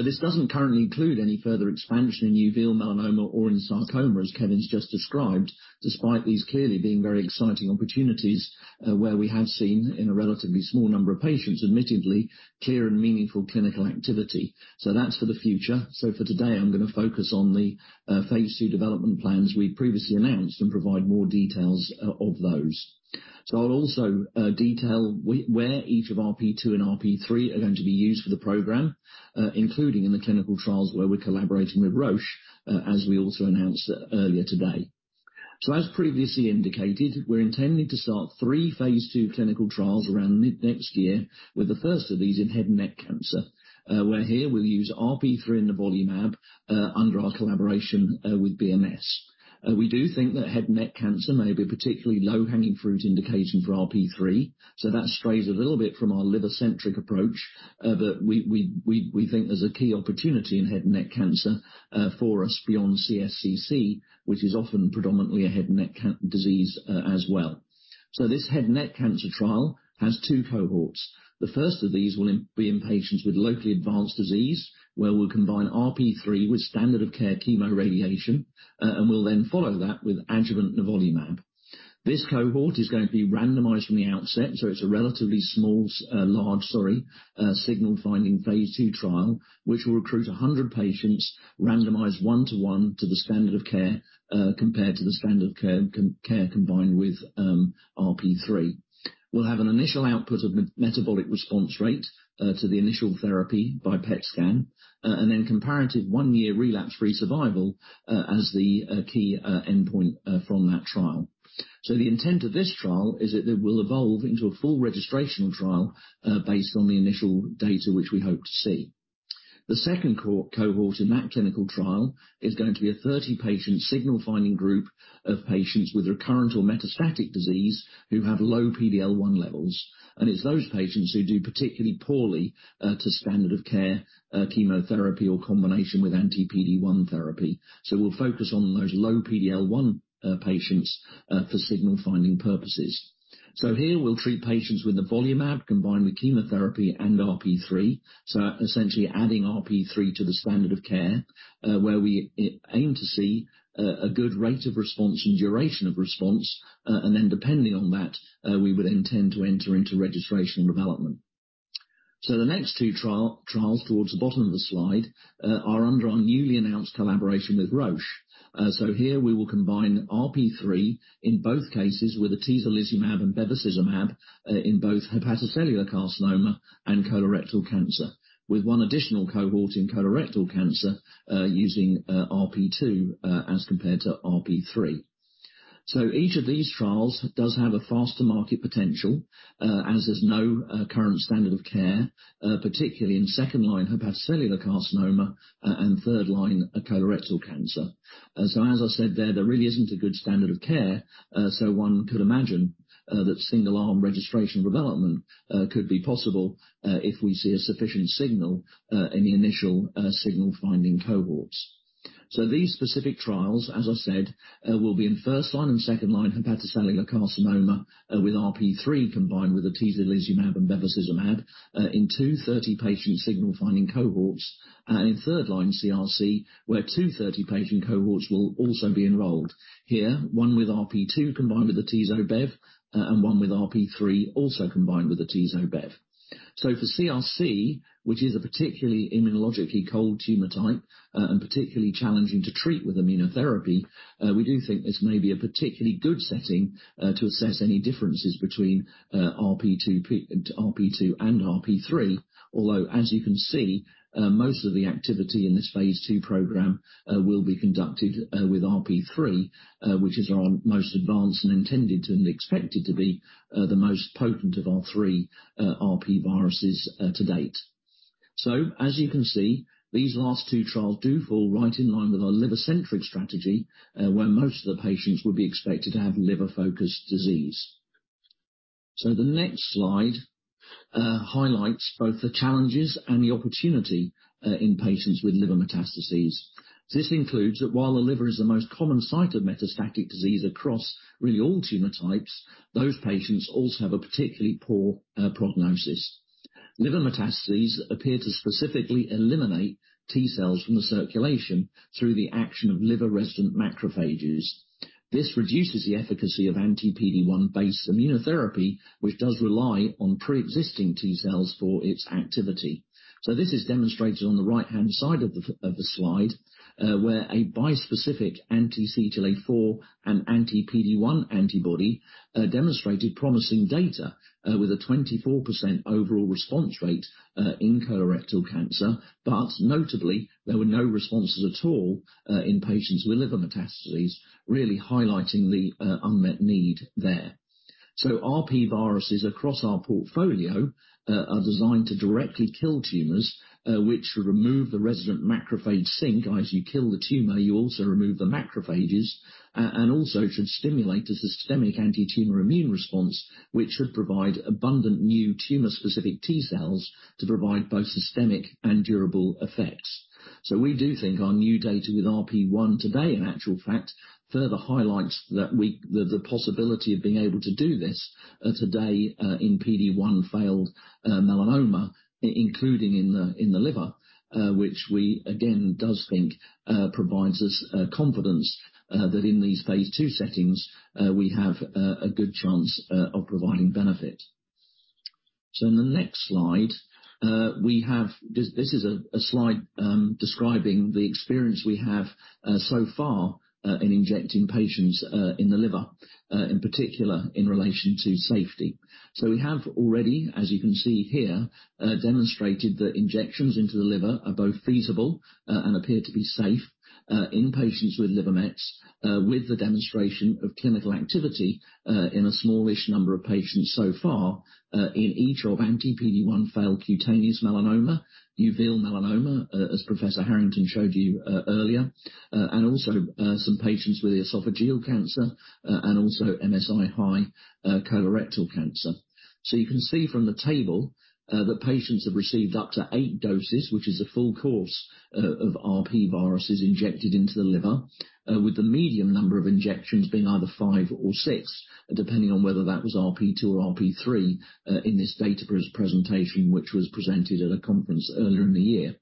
This doesn't currently include any further expansion in uveal melanoma or in sarcoma, as Kevin's just described, despite these clearly being very exciting opportunities, where we have seen in a relatively small number of patients, admittedly clear and meaningful clinical activity. That's for the future. For today, I'm gonna focus on the phase two development plans we previously announced and provide more details of those. I'll also detail where each of RP2 and RP3 are going to be used for the program, including in the clinical trials where we're collaborating with Roche, as we also announced earlier today. As previously indicated, we're intending to start three phase two clinical trials around mid-next year with the first of these in head and neck cancer. Where here we'll use RP3 nivolumab under our collaboration with BMS. We do think that head and neck cancer may be particularly low-hanging fruit indication for RP3. That strays a little bit from our liver-centric approach, but we think there's a key opportunity in head and neck cancer for us beyond CSCC, which is often predominantly a head and neck disease as well. This head and neck cancer trial has two cohorts. The first of these will be in patients with locally advanced disease, where we'll combine RP3 with standard of care chemoradiation, and we'll then follow that with adjuvant nivolumab. This cohort is going to be randomized from the outset, it's a relatively large, sorry, signal finding phase II trial, which will recruit 100 patients randomized one-to-one to the standard of care, compared to the standard of care, combined with RP3. We'll have an initial output of metabolic response rate to the initial therapy by PET scan, and then comparative one-year relapse-free survival as the key endpoint from that trial. The intent of this trial is that it will evolve into a full registrational trial, based on the initial data which we hope to see. The second cohort in that clinical trial is going to be a 30-patient signal finding group of patients with recurrent or metastatic disease who have low PD-L1 levels. It's those patients who do particularly poorly, to standard of care chemotherapy or combination with anti-PD-1 therapy. We'll focus on those low PD-L1 patients for signal finding purposes. Here we'll treat patients with nivolumab combined with chemotherapy and RP3, so essentially adding RP3 to the standard of care, where we aim to see a good rate of response and duration of response. Depending on that, we would intend to enter into registration development. The next two trials towards the bottom of the slide, are under our newly announced collaboration with Roche. Here we will combine RP3 in both cases with atezolizumab and bevacizumab in both hepatocellular carcinoma and colorectal cancer, with one additional cohort in colorectal cancer, using RP2 as compared to RP3. Each of these trials does have a faster market potential, as there's no current standard of care, particularly in second line hepatocellular carcinoma and third line colorectal cancer. As I said, there really isn't a good standard of care, so one could imagine that single arm registration development could be possible if we see a sufficient signal in the initial signal finding cohorts. These specific trials, as I said, will be in first line and second line hepatocellular carcinoma, with RP3 combined with atezolizumab and bevacizumab, in two 30-patient signal finding cohorts. In third line CRC, where two 30-patient cohorts will also be enrolled. Here, one with RP2 combined with atezo-bev, and one with RP3 also combined with atezo-bev. For CRC, which is a particularly immunologically cold tumor type, and particularly challenging to treat with immunotherapy, we do think this may be a particularly good setting to assess any differences between RP2 and RP3. Although as you can see, most of the activity in this phase two program will be conducted with RP3, which is our most advanced and intended and expected to be the most potent of our three RP viruses to date. As you can see, these last two trials do fall right in line with our liver-centric strategy, where most of the patients would be expected to have liver-focused disease. The next slide highlights both the challenges and the opportunity in patients with liver metastases. This includes that while the liver is the most common site of metastatic disease across really all tumor types, those patients also have a particularly poor prognosis. Liver metastases appear to specifically eliminate T-cells from the circulation through the action of liver-resident macrophages. This reduces the efficacy of anti-PD-1-based immunotherapy, which does rely on pre-existing T-cells for its activity. This is demonstrated on the right-hand side of the slide, where a bispecific anti-CTLA-4 and anti-PD-1 antibody demonstrated promising data with a 24% overall response rate in colorectal cancer. Notably, there were no responses at all in patients with liver metastases, really highlighting the unmet need there. RP viruses across our portfolio are designed to directly kill tumors, which remove the resident macrophage sink. As you kill the tumor, you also remove the macrophages, and also should stimulate a systemic anti-tumor immune response, which should provide abundant new tumor-specific T-cells to provide both systemic and durable effects. We do think our new data with RP1 today, in actual fact, further highlights that the possibility of being able to do this today in PD-1 failed melanoma, including in the liver, which we again, does think, provides us confidence that in these phase two settings, we have a good chance of providing benefit. In the next slide, we have. This is a slide describing the experience we have so far in injecting patients in the liver, in particular in relation to safety. We have already, as you can see here, demonstrated that injections into the liver are both feasible and appear to be safe in patients with liver mets, with the demonstration of clinical activity in a smallish number of patients so far, in each of anti-PD-1 failed cutaneous melanoma, uveal melanoma, as Professor Harrington showed you earlier, and also some patients with esophageal cancer, and also MSI-high colorectal cancer. You can see from the table that patients have received up to eight doses, which is a full course of RP viruses injected into the liver, with the medium number of injections being either five or six, depending on whether that was RP2 or RP3, in this data presentation, which was presented at a conference earlier in the year.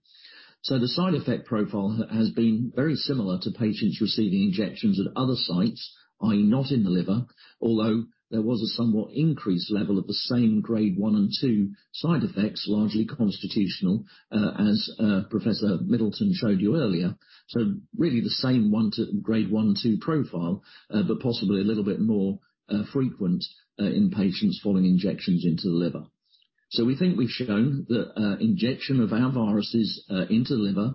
The side effect profile has been very similar to patients receiving injections at other sites, i.e., not in the liver, although there was a somewhat increased level of the same Grade one and two side effects, largely constitutional, as Professor Middleton showed you earlier. Really the same Grade one and two profile, but possibly a little bit more frequent in patients following injections into the liver. We think we've shown that injection of our viruses into the liver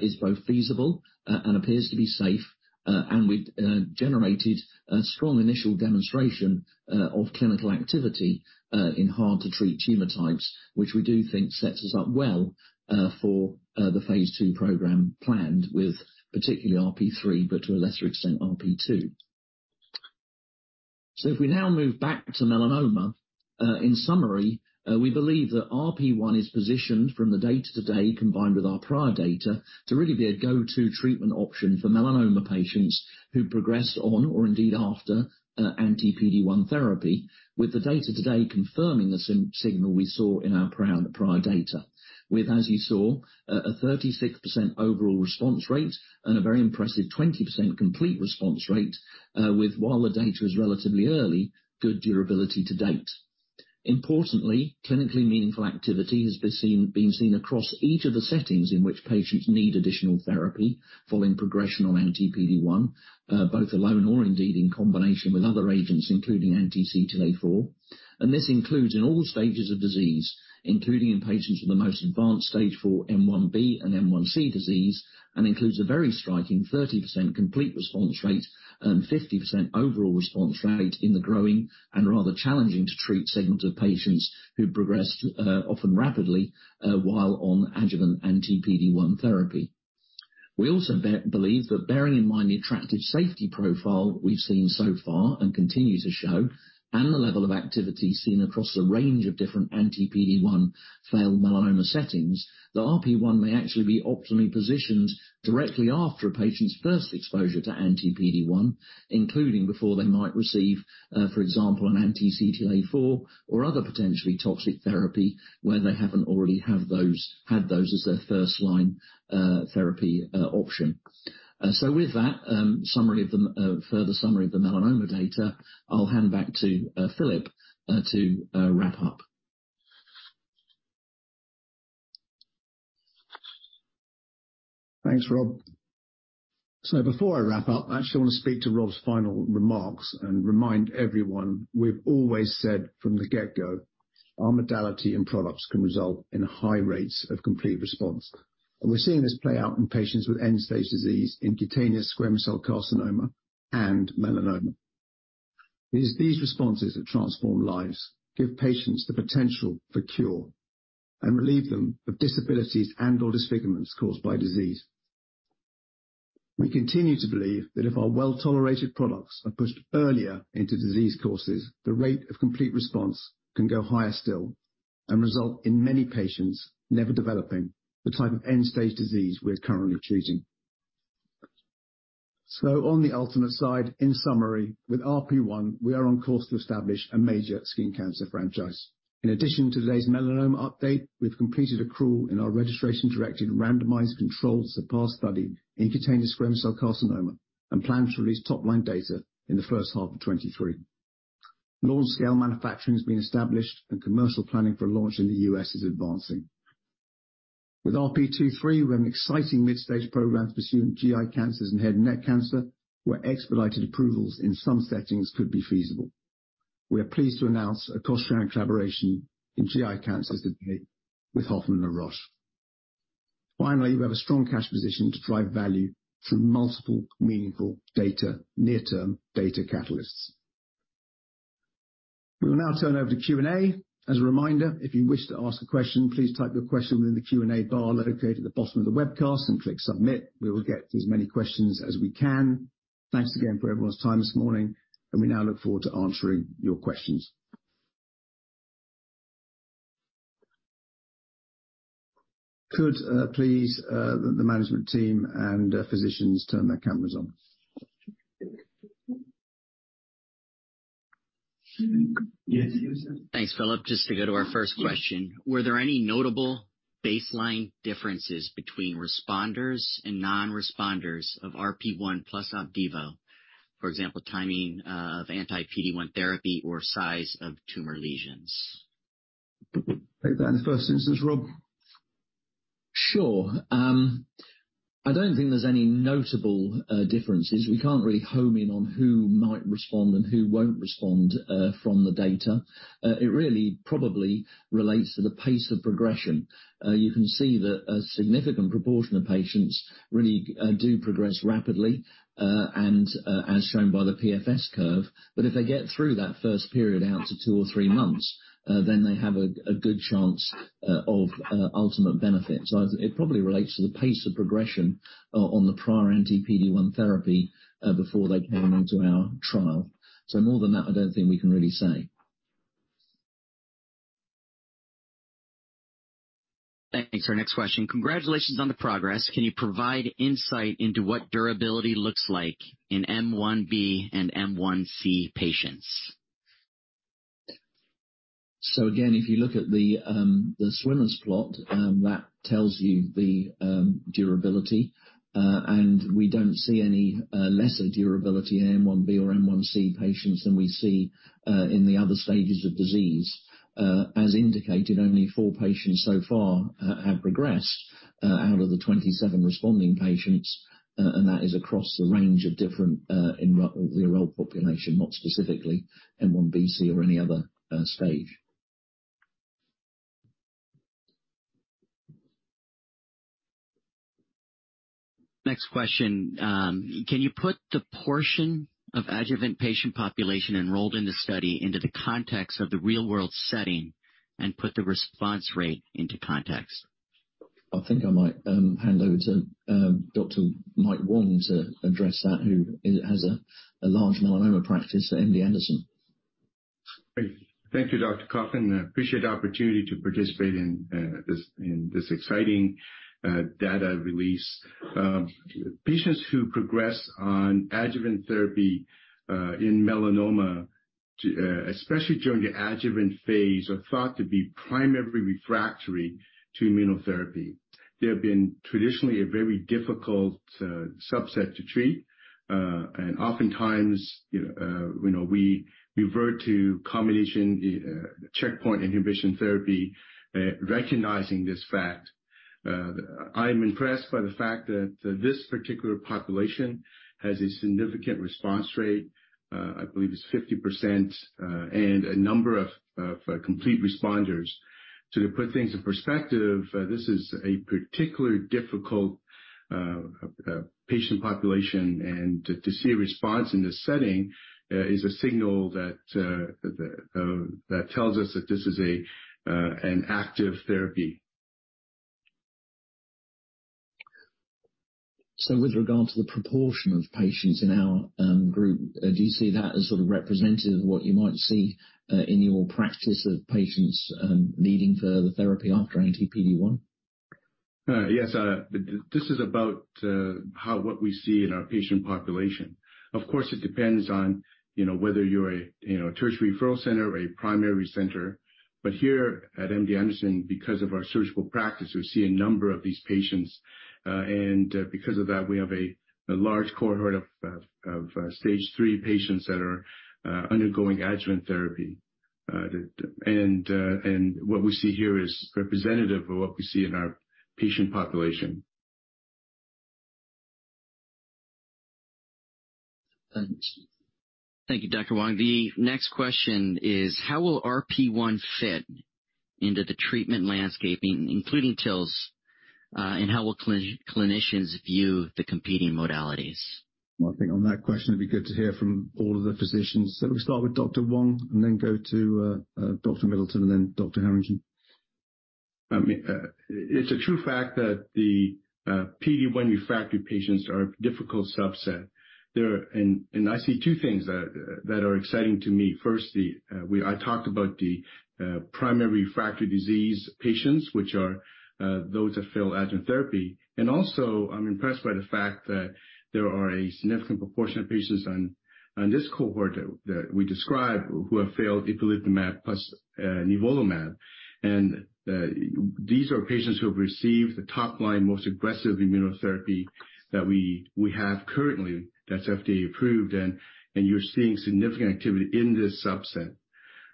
is both feasible and appears to be safe. We've generated a strong initial demonstration of clinical activity in hard to treat tumor types, which we do think sets us up well for the phase two program planned with particularly RP3, but to a lesser extent, RP2. If we now move back to melanoma. In summary, we believe that RP1 is positioned from the data today combined with our prior data, to really be a go-to treatment option for melanoma patients who progress on or indeed after anti-PD-1 therapy. With the data today confirming the same signal we saw in our prior data, with, as you saw, a 36% overall response rate and a very impressive 20% complete response rate, with while the data is relatively early, good durability to date. Importantly, clinically meaningful activity has been seen across each of the settings in which patients need additional therapy following progression on anti-PD-1, both alone or indeed in combination with other agents, including anti-CTLA-4. This includes in all stages of disease, including in patients with the most advanced stage for M1b and M1c disease, and includes a very striking 30% complete response rate and 50% overall response rate in the growing and rather challenging to treat segments of patients who progressed often rapidly while on adjuvant anti-PD-1 therapy. We also believe that bearing in mind the attractive safety profile we've seen so far and continue to show, and the level of activity seen across a range of different anti-PD-1 failed melanoma settings, that RP1 may actually be optimally positioned directly after a patient's first exposure to anti-PD-1, including before they might receive, for example, an anti-CTLA-4 or other potentially toxic therapy where they haven't already had those as their first line therapy option. With that, summary of the further summary of the melanoma data, I'll hand back to Philip, to wrap up. Thanks, Rob. Before I wrap up, I actually wanna speak to Rob's final remarks and remind everyone, we've always said from the get-go, our modality and products can result in high rates of complete response. We're seeing this play out in patients with end-stage disease, in cutaneous squamous cell carcinoma and melanoma. It is these responses that transform lives, give patients the potential for cure, and relieve them of disabilities and/or disfigurements caused by disease. We continue to believe that if our well-tolerated products are pushed earlier into disease courses, the rate of complete response can go higher still and result in many patients never developing the type of end-stage disease we're currently treating. On the ultimate side, in summary, with RP1, we are on course to establish a major skin cancer franchise. In addition to today's melanoma update, we've completed accrual in our registration-directed randomized controlled CERPASS study in cutaneous squamous cell carcinoma, and plan to release top-line data in the first half of 2023. Large-scale manufacturing has been established, and commercial planning for launch in the U.S. is advancing. With RP23, we have an exciting mid-stage program to pursue in GI cancers and head and neck cancer, where expedited approvals in some settings could be feasible. We are pleased to announce a cost-sharing collaboration in GI cancers today with Hoffmann and Roche. Finally, we have a strong cash position to drive value through multiple meaningful data, near-term data catalysts. We will now turn over to Q&A. As a reminder, if you wish to ask a question, please type your question within the Q&A bar located at the bottom of the webcast and click Submit. We will get to as many questions as we can. Thanks again for everyone's time this morning, and we now look forward to answering your questions. Could please the management team and physicians turn their cameras on? Yes. Thanks, Philip. Just to go to our first question. Were there any notable baseline differences between responders and non-responders of RP1 plus Opdivo? For example, timing of anti-PD-1 therapy or size of tumor lesions? Take that in the first instance, Rob? Sure. I don't think there's any notable differences. We can't really home in on who might respond and who won't respond from the data. It really probably relates to the pace of progression. You can see that a significant proportion of patients really do progress rapidly, as shown by the PFS curve. If they get through that first period out to two or three months, then they have a good chance of ultimate benefit. I think it probably relates to the pace of progression on the prior anti-PD-1 therapy before they came into our trial. More than that, I don't think we can really say. Thanks. Our next question. Congratulations on the progress. Can you provide insight into what durability looks like in M1b and M1c patients? Again, if you look at the swimmer's plot, that tells you the durability. We don't see any lesser durability in M1b or M1c patients than we see in the other stages of disease. As indicated, only four patients so far have progressed out of the 27 responding patients, that is across the range of different rolled population, not specifically M1bc or any other stage. Next question. Can you put the portion of adjuvant patient population enrolled in the study into the context of the real-world setting and put the response rate into context? I think I might hand over to Dr. Mike Wong to address that, who has a large melanoma practice at MD Anderson. Thank you, Dr. Coffin. Appreciate the opportunity to participate in this exciting data release. Patients who progress on adjuvant therapy in melanoma, especially during the adjuvant phase, are thought to be primarily refractory to immunotherapy. They have been traditionally a very difficult subset to treat, and oftentimes, you know, you know, we revert to combination checkpoint inhibition therapy, recognizing this fact. I'm impressed by the fact that this particular population has a significant response rate, I believe it's 50%, and a number of complete responders. To put things in perspective, this is a particularly difficult patient population, and to see a response in this setting, is a signal that tells us that this is an active therapy. With regard to the proportion of patients in our group, do you see that as sort of representative of what you might see in your practice of patients needing further therapy after anti-PD-1? Yes. This is about how what we see in our patient population. Of course, it depends on, you know, whether you're a, you know, tertiary referral center or a primary center. Here at MD Anderson, because of our surgical practice, we see a number of these patients. Because of that, we have a large cohort of stage three patients that are undergoing adjuvant therapy. What we see here is representative of what we see in our patient population. Thanks. Thank you, Dr. Wang. The next question is how will RP1 fit into the treatment landscaping, including TILs, and how will clinicians view the competing modalities? I think on that question, it'd be good to hear from all of the physicians. We'll start with Dr. Wang and then go to Dr. Middleton and then Dr. Harrington. I mean, it's a true fact that the PD-1 refractory patients are a difficult subset. I see two things that are exciting to me. First, I talked about the primary refractory disease patients, which are those that fail adjuvant therapy. Also, I'm impressed by the fact that there are a significant proportion of patients on this cohort that we describe who have failed ipilimumab plus nivolumab. These are patients who have received the top line, most aggressive immunotherapy that we have currently that's FDA-approved. You're seeing significant activity in this subset.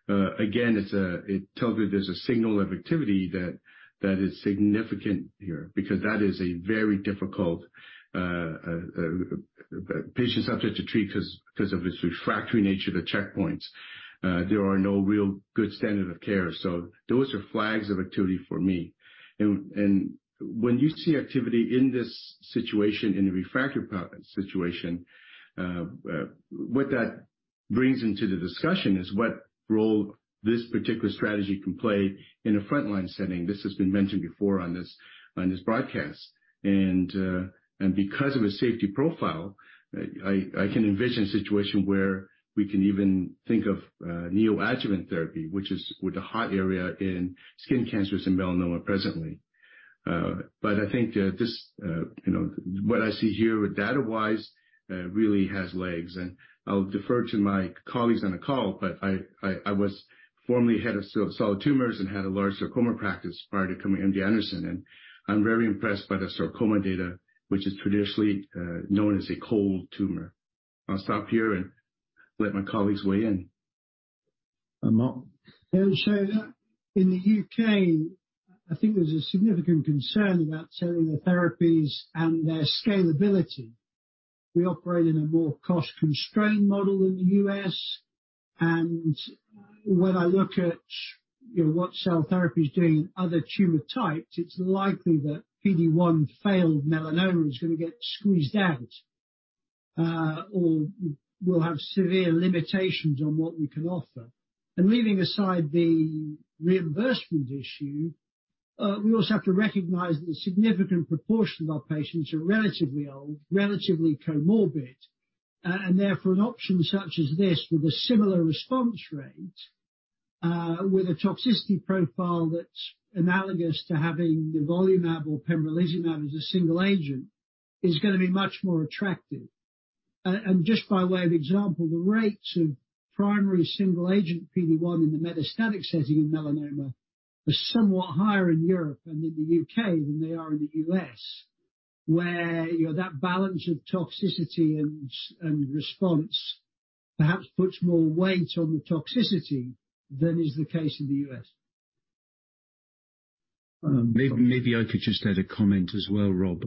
Again, it tells you there's a signal of activity that is significant here because that is a very difficult patient subject to treat because of its refractory nature to checkpoints. There are no real good standard of care. Those are flags of activity for me. When you see activity in this situation, in a refractory situation, what that brings into the discussion, is what role this particular strategy can play in a frontline setting. This has been mentioned before on this broadcast. Because of a safety profile, I can envision a situation where we can even think of neoadjuvant therapy, which is with the hot area in skin cancers and melanoma presently. I think, this, you know, what I see here data-wise, really has legs. I'll defer to my colleagues on the call, but I was formerly head of solid tumors and had a large sarcoma practice prior to coming to MD Anderson, and I'm very impressed by the sarcoma data, which is traditionally known as a cold tumor. I'll stop here and let my colleagues weigh in. Mark. In the U.K., I think there's a significant concern about cellular therapies and their scalability. We operate in a more cost-constrained model than the U.S. When I look at, you know, what cell therapy is doing in other tumor types, it's likely that PD-1 failed melanoma is going to get squeezed out, or we'll have severe limitations on what we can offer. Leaving aside the reimbursement issue, we also have to recognize that a significant proportion of our patients are relatively old, relatively comorbid, and therefore an option such as this with a similar response rate, with a toxicity profile that's analogous to having nivolumab or pembrolizumab as a single agent is gonna be much more attractive. Just by way of example, the rates of primary single agent PD-1 in the metastatic setting in melanoma are somewhat higher in Europe and in the U.K. than they are in the U.S., where, you know, that balance of toxicity and response perhaps puts more weight on the toxicity than is the case in the U.S. Maybe I could just add a comment as well, Rob,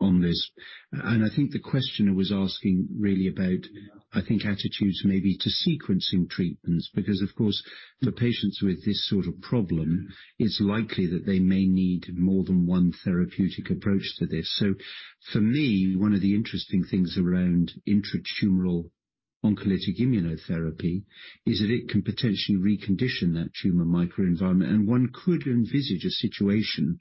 on this. I think the questioner was asking really about, I think, attitudes maybe to sequencing treatments, because of course, for patients with this sort of problem, it's likely that they may need more than one therapeutic approach to this. For me, one of the interesting things around intertumoral oncolytic immunotherapy is that it can potentially recondition that tumor microenvironment. One could envisage a situation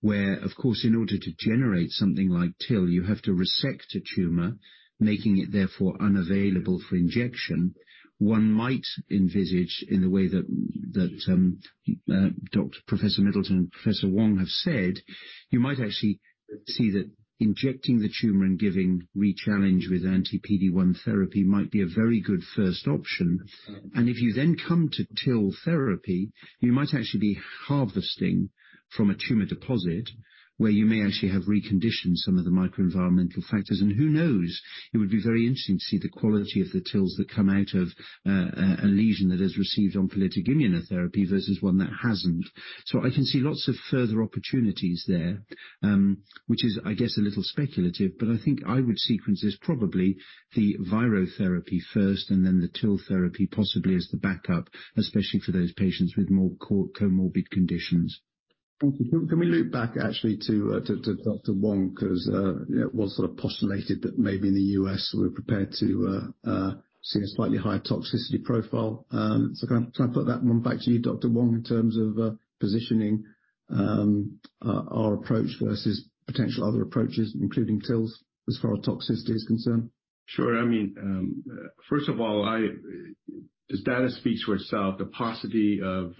where, of course, in order to generate something like TIL, you have to resect a tumor, making it therefore unavailable for injection. One might envisage in a way that Professor Middleton and Professor Wong have said, you might actually see that injecting the tumor and giving rechallenge with anti-PD-1 therapy might be a very good first option. If you then come to TIL therapy, you might actually be harvesting from a tumor deposit, where you may actually have reconditioned some of the microenvironmental factors. Who knows? It would be very interesting to see the quality of the TILs that come out of a lesion that has received oncolytic immunotherapy versus one that hasn't. I can see lots of further opportunities there, which is, I guess, a little speculative, but I think I would sequence this probably the virotherapy first and then the TIL therapy possibly as the backup, especially for those patients with more comorbid conditions. Can we loop back actually to Dr. Wang? Because it was sort of postulated that maybe in the U.S., we're prepared to see a slightly higher toxicity profile. Can I put that one back to you, Dr. Wong, in terms of positioning our approach versus potential other approaches, including TILs, as far as toxicity is concerned? Sure. I mean, first of all, the data speaks for itself. The paucity of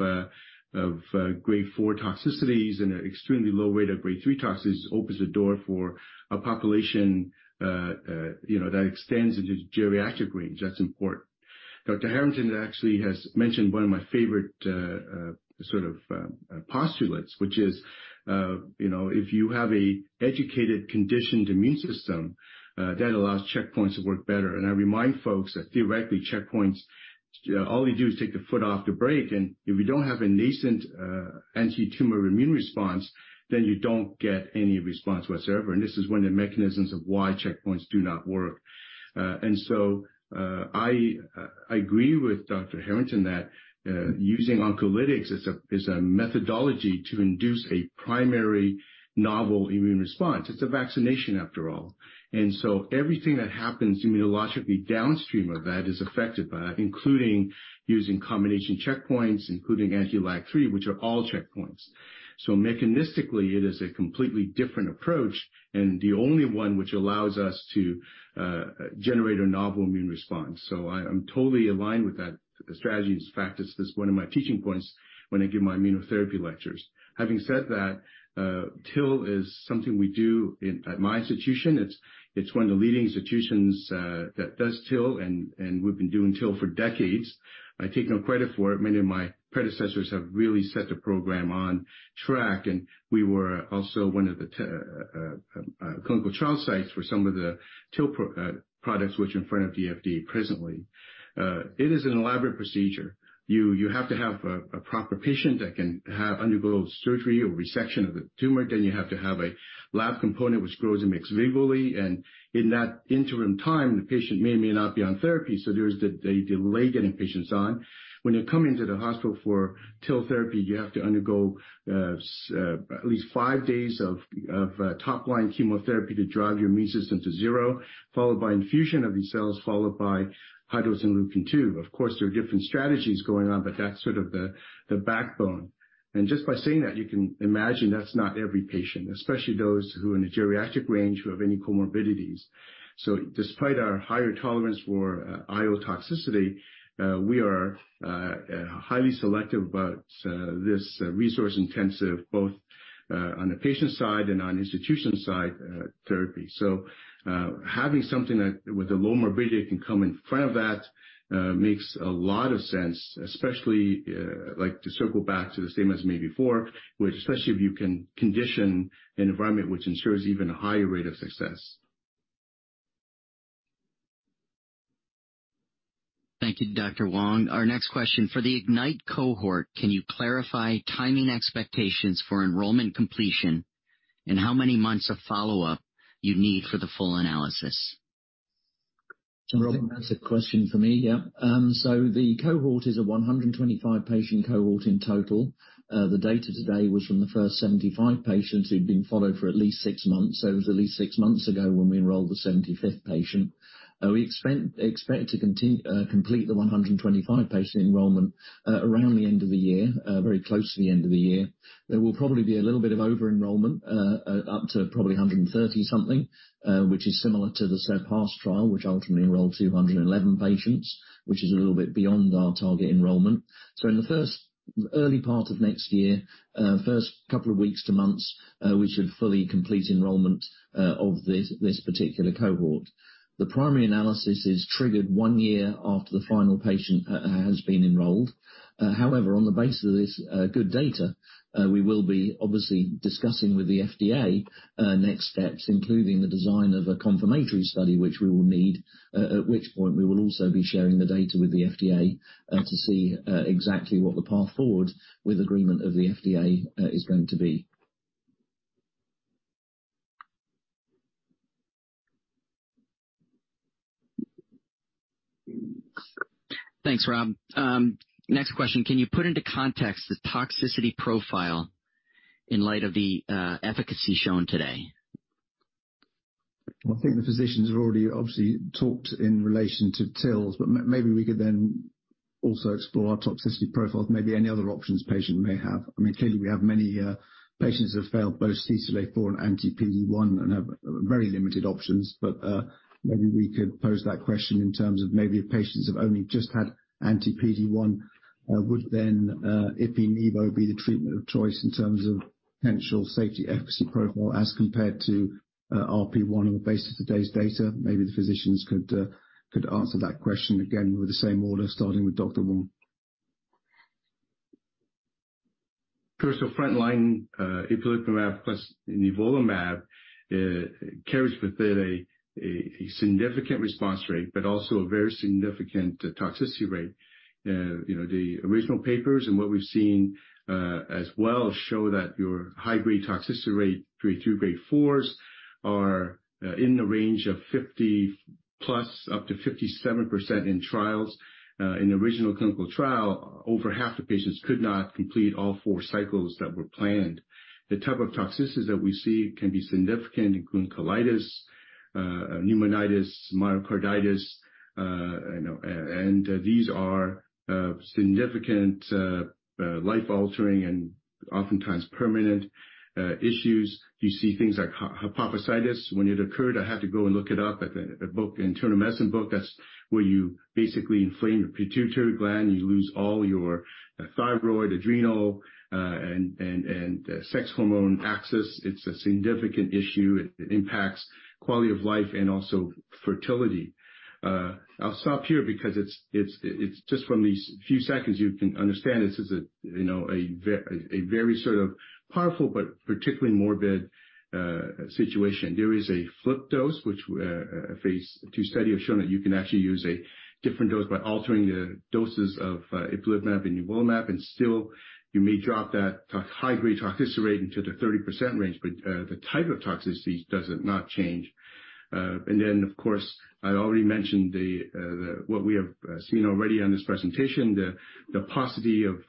grade four toxicities and extremely low rate of grade three toxicities opens the door for a population, you know, that extends into geriatric range. That's important. Dr. Harrington actually has mentioned one of my favorite, sort of, postulates, which is, you know, if you have a educated, conditioned immune system that allows checkpoints to work better. I remind folks that theoretically, checkpoints, all you do is take the foot off the brake, and if you don't have a nascent antitumor immune response, then you don't get any response whatsoever. This is one of the mechanisms of why checkpoints do not work. I agree with Dr. Harrington that, using oncolytics is a methodology to induce a primary novel immune response. It's a vaccination, after all. Everything that happens immunologically downstream of that is affected by that, including using combination checkpoints, including anti-LAG-3, which are all checkpoints. Mechanistically, it is a completely different approach, and the only one which allows us to generate a novel immune response. I'm totally aligned with that strategy. In fact, it's one of my teaching points when I give my immunotherapy lectures. Having said that, TIL is something we do at my institution. It's one of the leading institutions that does TIL, and we've been doing TIL for decades. I take no credit for it. Many of my predecessors have really set the program on track. We were also one of the clinical trial sites for some of the TIL products which are in front of the FDA presently. It is an elaborate procedure. You have to have a proper patient that can undergo surgery or resection of the tumor. You have to have a lab component which grows and makes legally. In that interim time, the patient may or may not be on therapy. There's the delay getting patients on. When you come into the hospital for TIL therapy, you have to undergo at least five days of top-line chemotherapy to drive your immune system to zero, followed by infusion of these cells, followed by high-dose Interleukin-2. Of course, there are different strategies going on, that's sort of the backbone. Just by saying that, you can imagine that's not every patient, especially those who are in a geriatric range who have any comorbidities. Despite our higher tolerance for IO toxicity, we are highly selective about this resource intensive, both on the patient side and on institution side, therapy. Having something that with a low morbidity can come in front of that makes a lot of sense, especially, like, to circle back to the statement made before, which especially if you can condition an environment which ensures even a higher rate of success. Thank you, Dr. Wang. Our next question, for the IGNYTE cohort, can you clarify timing expectations for enrollment completion and how many months of follow-up you'd need for the full analysis? Rob, that's a question for me. Yeah. The cohort is a 125 patient cohort in total. The data today was from the first 75 patients who've been followed for at least six months. It was at least six months ago when we enrolled the 75th patient. We expect to complete the 125 patient enrollment around the end of the year, very close to the end of the year. There will probably be a little bit of over-enrollment up to probably 130 something, which is similar to the CERPASS trial, which ultimately enrolled 211 patients, which is a little bit beyond our target enrollment. In the first early part of next year, first couple of weeks to months, we should fully complete enrollment of this particular cohort. The primary analysis is triggered one year after the final patient has been enrolled. On the basis of this good data, we will be obviously discussing with the FDA next steps, including the design of a confirmatory study, which we will need, at which point we will also be sharing the data with the FDA to see exactly what the path forward with agreement of the FDA is going to be. Thanks, Rob. Next question. Can you put into context the toxicity profile in light of the efficacy shown today? I think the physicians have already obviously talked in relation to TILs, but maybe we could then also explore our toxicity profile, maybe any other options patient may have. I mean, clearly we have many patients who have failed both CTLA-4 and anti-PD-1 and have very limited options, but maybe we could pose that question in terms of maybe if patients have only just had anti-PD-1, would then ipi/nivo be the treatment of choice in terms of potential safety efficacy profile as compared to RP1 on the basis of today's data? Maybe the physicians could answer that question again with the same order, starting with Dr. Wong. Of course, our frontline ipilimumab plus nivolumab carries with it a significant response rate, also a very significant toxicity rate. You know, the original papers and what we've seen as well show that your high-grade toxicity rate, grade three, grade fours are in the range of 50+, up to 57% in trials. In the original clinical trial, over half the patients could not complete all four cycles that were planned. The type of toxicities that we see can be significant, including colitis, pneumonitis, myocarditis, you know. These are significant, life-altering and oftentimes permanent issues. You see things like hypophysitis. When it occurred, I had to go and look it up at a book, internal medicine book. That's where you basically inflame your pituitary gland. You lose all your thyroid, adrenal, and sex hormone axis. It's a significant issue. It impacts quality of life and also fertility. I'll stop here because it's just from these few seconds, you can understand this is a, you know, a very sort of powerful but particularly morbid situation. There is a flip dose which a phase two study have shown that you can actually use a different dose by altering the doses of ipilimumab and nivolumab, still you may drop that to high-grade toxicity rate into the 30% range, the type of toxicity does not change. And then, of course, I already mentioned what we have seen already on this presentation, the paucity of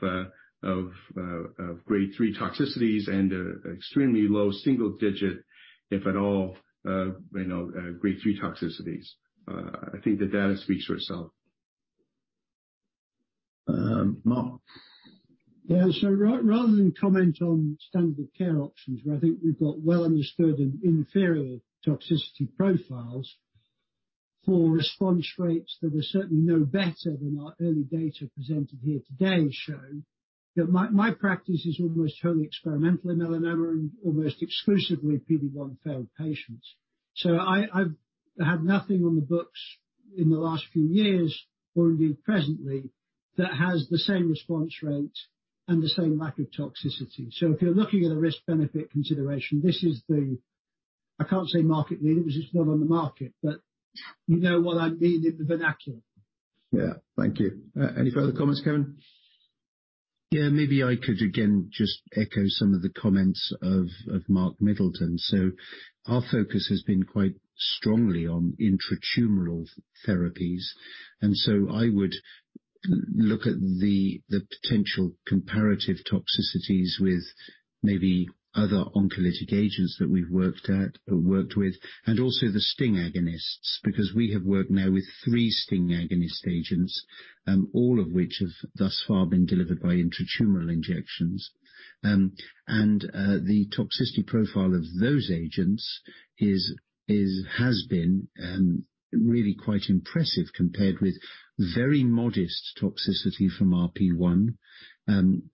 grade three toxicities and extremely low single digit, if at all, you know, grade three toxicities. I think the data speaks for itself. Mark. Yeah. Rather than comment on standard care options, where I think we've got well understood and inferior toxicity profiles for response rates that are certainly no better than our early data presented here today show, that my practice is almost totally experimental in melanoma and almost exclusively PD-1 failed patients. I've had nothing on the books in the last few years or indeed presently, that has the same response rate and the same lack of toxicity. If you're looking at a risk-benefit consideration, this is the, I can't say market leader 'cause it's not on the market, but you know what I mean in the vernacular. Yeah. Thank you. Any further comments, Kevin? Yeah. Maybe I could again just echo some of the comments of Mark Middleton. Our focus has been quite strongly on intratumoral therapies. I would look at the potential comparative toxicities with maybe other oncolytic agents that we've worked at or worked with, and also the STING agonists, because we have worked now with three STING agonist agents, all of which have thus far been delivered by intertumoral injections. And the toxicity profile of those agents is has been really quite impressive compared with very modest toxicity from RP1,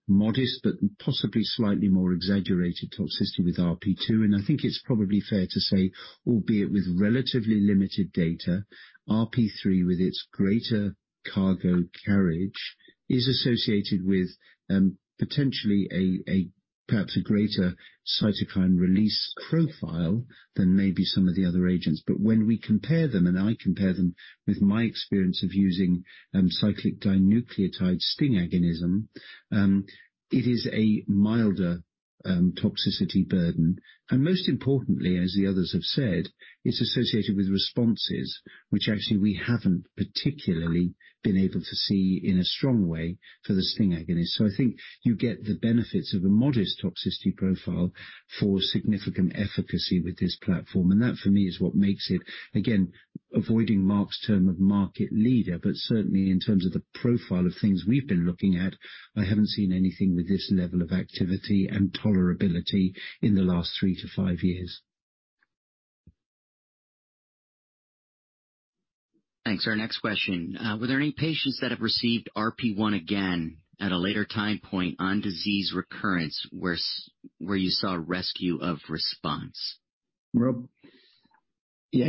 modest but possibly slightly more exaggerated toxicity with RP2. I think it's probably fair to say, albeit with relatively limited data, RP3 with its greater cargo carriage is associated with potentially a perhaps a greater cytokine release profile than maybe some of the other agents. When we compare them, and I compare them with my experience of using cyclic dinucleotide STING agonism, it is a milder toxicity burden. Most importantly, as the others have said, it's associated with responses which actually we haven't particularly been able to see in a strong way for the STING agonist. I think you get the benefits of a modest toxicity profile for significant efficacy with this platform. That, for me, is what makes it, again, avoiding Mark's term of market leader, but certainly in terms of the profile of things we've been looking at, I haven't seen anything with this level of activity and tolerability in the last three to five years. Thanks. Our next question. Were there any patients that have received RP1 again at a later time point on disease recurrence where you saw rescue of response? Rob? We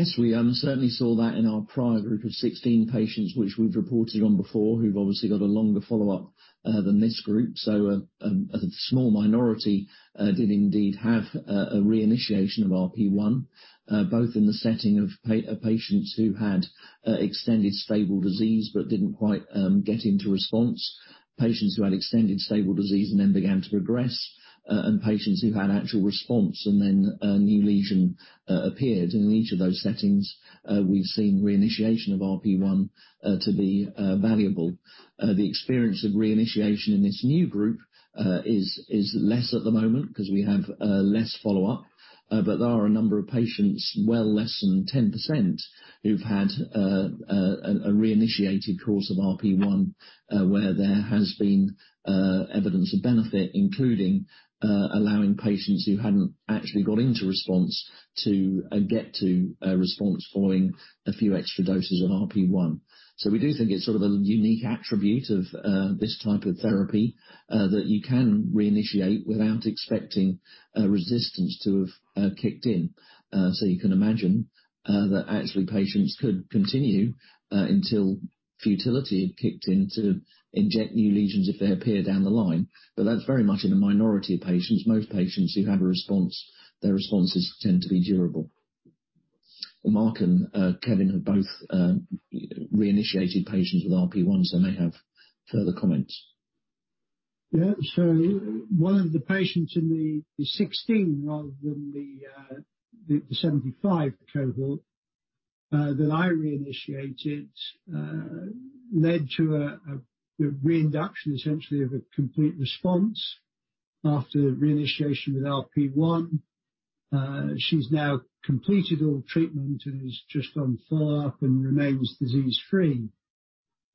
certainly saw that in our prior group of 16 patients, which we've reported on before, who've obviously got a longer follow-up than this group. A small minority did indeed have a reinitiation of RP1, both in the setting of patients who had extended stable disease but didn't quite get into response. Patients who had extended stable disease and then began to progress, and patients who had actual response and then a new lesion appeared. In each of those settings, we've seen reinitiation of RP1 to be valuable. The experience of reinitiation in this new group is less at the moment 'cause we have less follow-up, but there are a number of patients, well less than 10%, who've had a reinitiated course of RP1, where there has been evidence of benefit, including allowing patients who hadn't actually got into response to get to a response following a few extra doses of RP1. We do think it's sort of a unique attribute of this type of therapy, that you can reinitiate without expecting resistance to have kicked in. You can imagine that actually patients could continue until futility had kicked in to inject new lesions if they appear down the line. That's very much in a minority of patients. Most patients who have a response, their responses tend to be durable. Mark and Kevin have both reinitiated patients with RP1, so they may have further comments. Yeah. One of the patients in the 16 rather than the 75 cohort that I reinitiated led to a reinduction, essentially of a complete response after reinitiation with RP1. She's now completed all treatment and is just on follow-up and remains disease-free.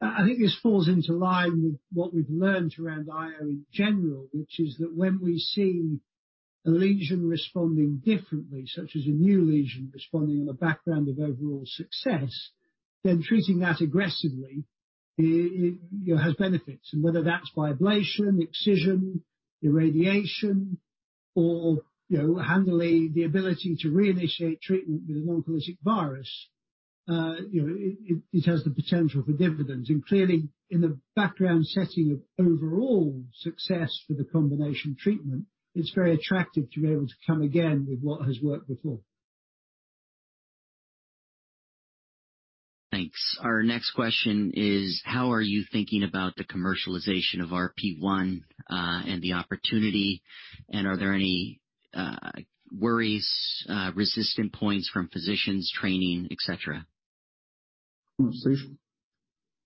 I think this falls into line with what we've learnt around IO in general, which is that when we see a lesion responding differently, such as a new lesion responding on a background of overall success, then treating that aggressively, you know, has benefits. Whether that's by ablation, excision, irradiation or, you know, handily, the ability to reinitiate treatment with an oncolytic virus, you know, it has the potential for dividends. Clearly, in the background setting of overall success for the combination treatment, it's very attractive to be able to come again with what has worked before. Thanks. Our next question is, how are you thinking about the commercialization of RP1, and the opportunity? Are there any worries, resistant points from physicians, training, et cetera? Sush?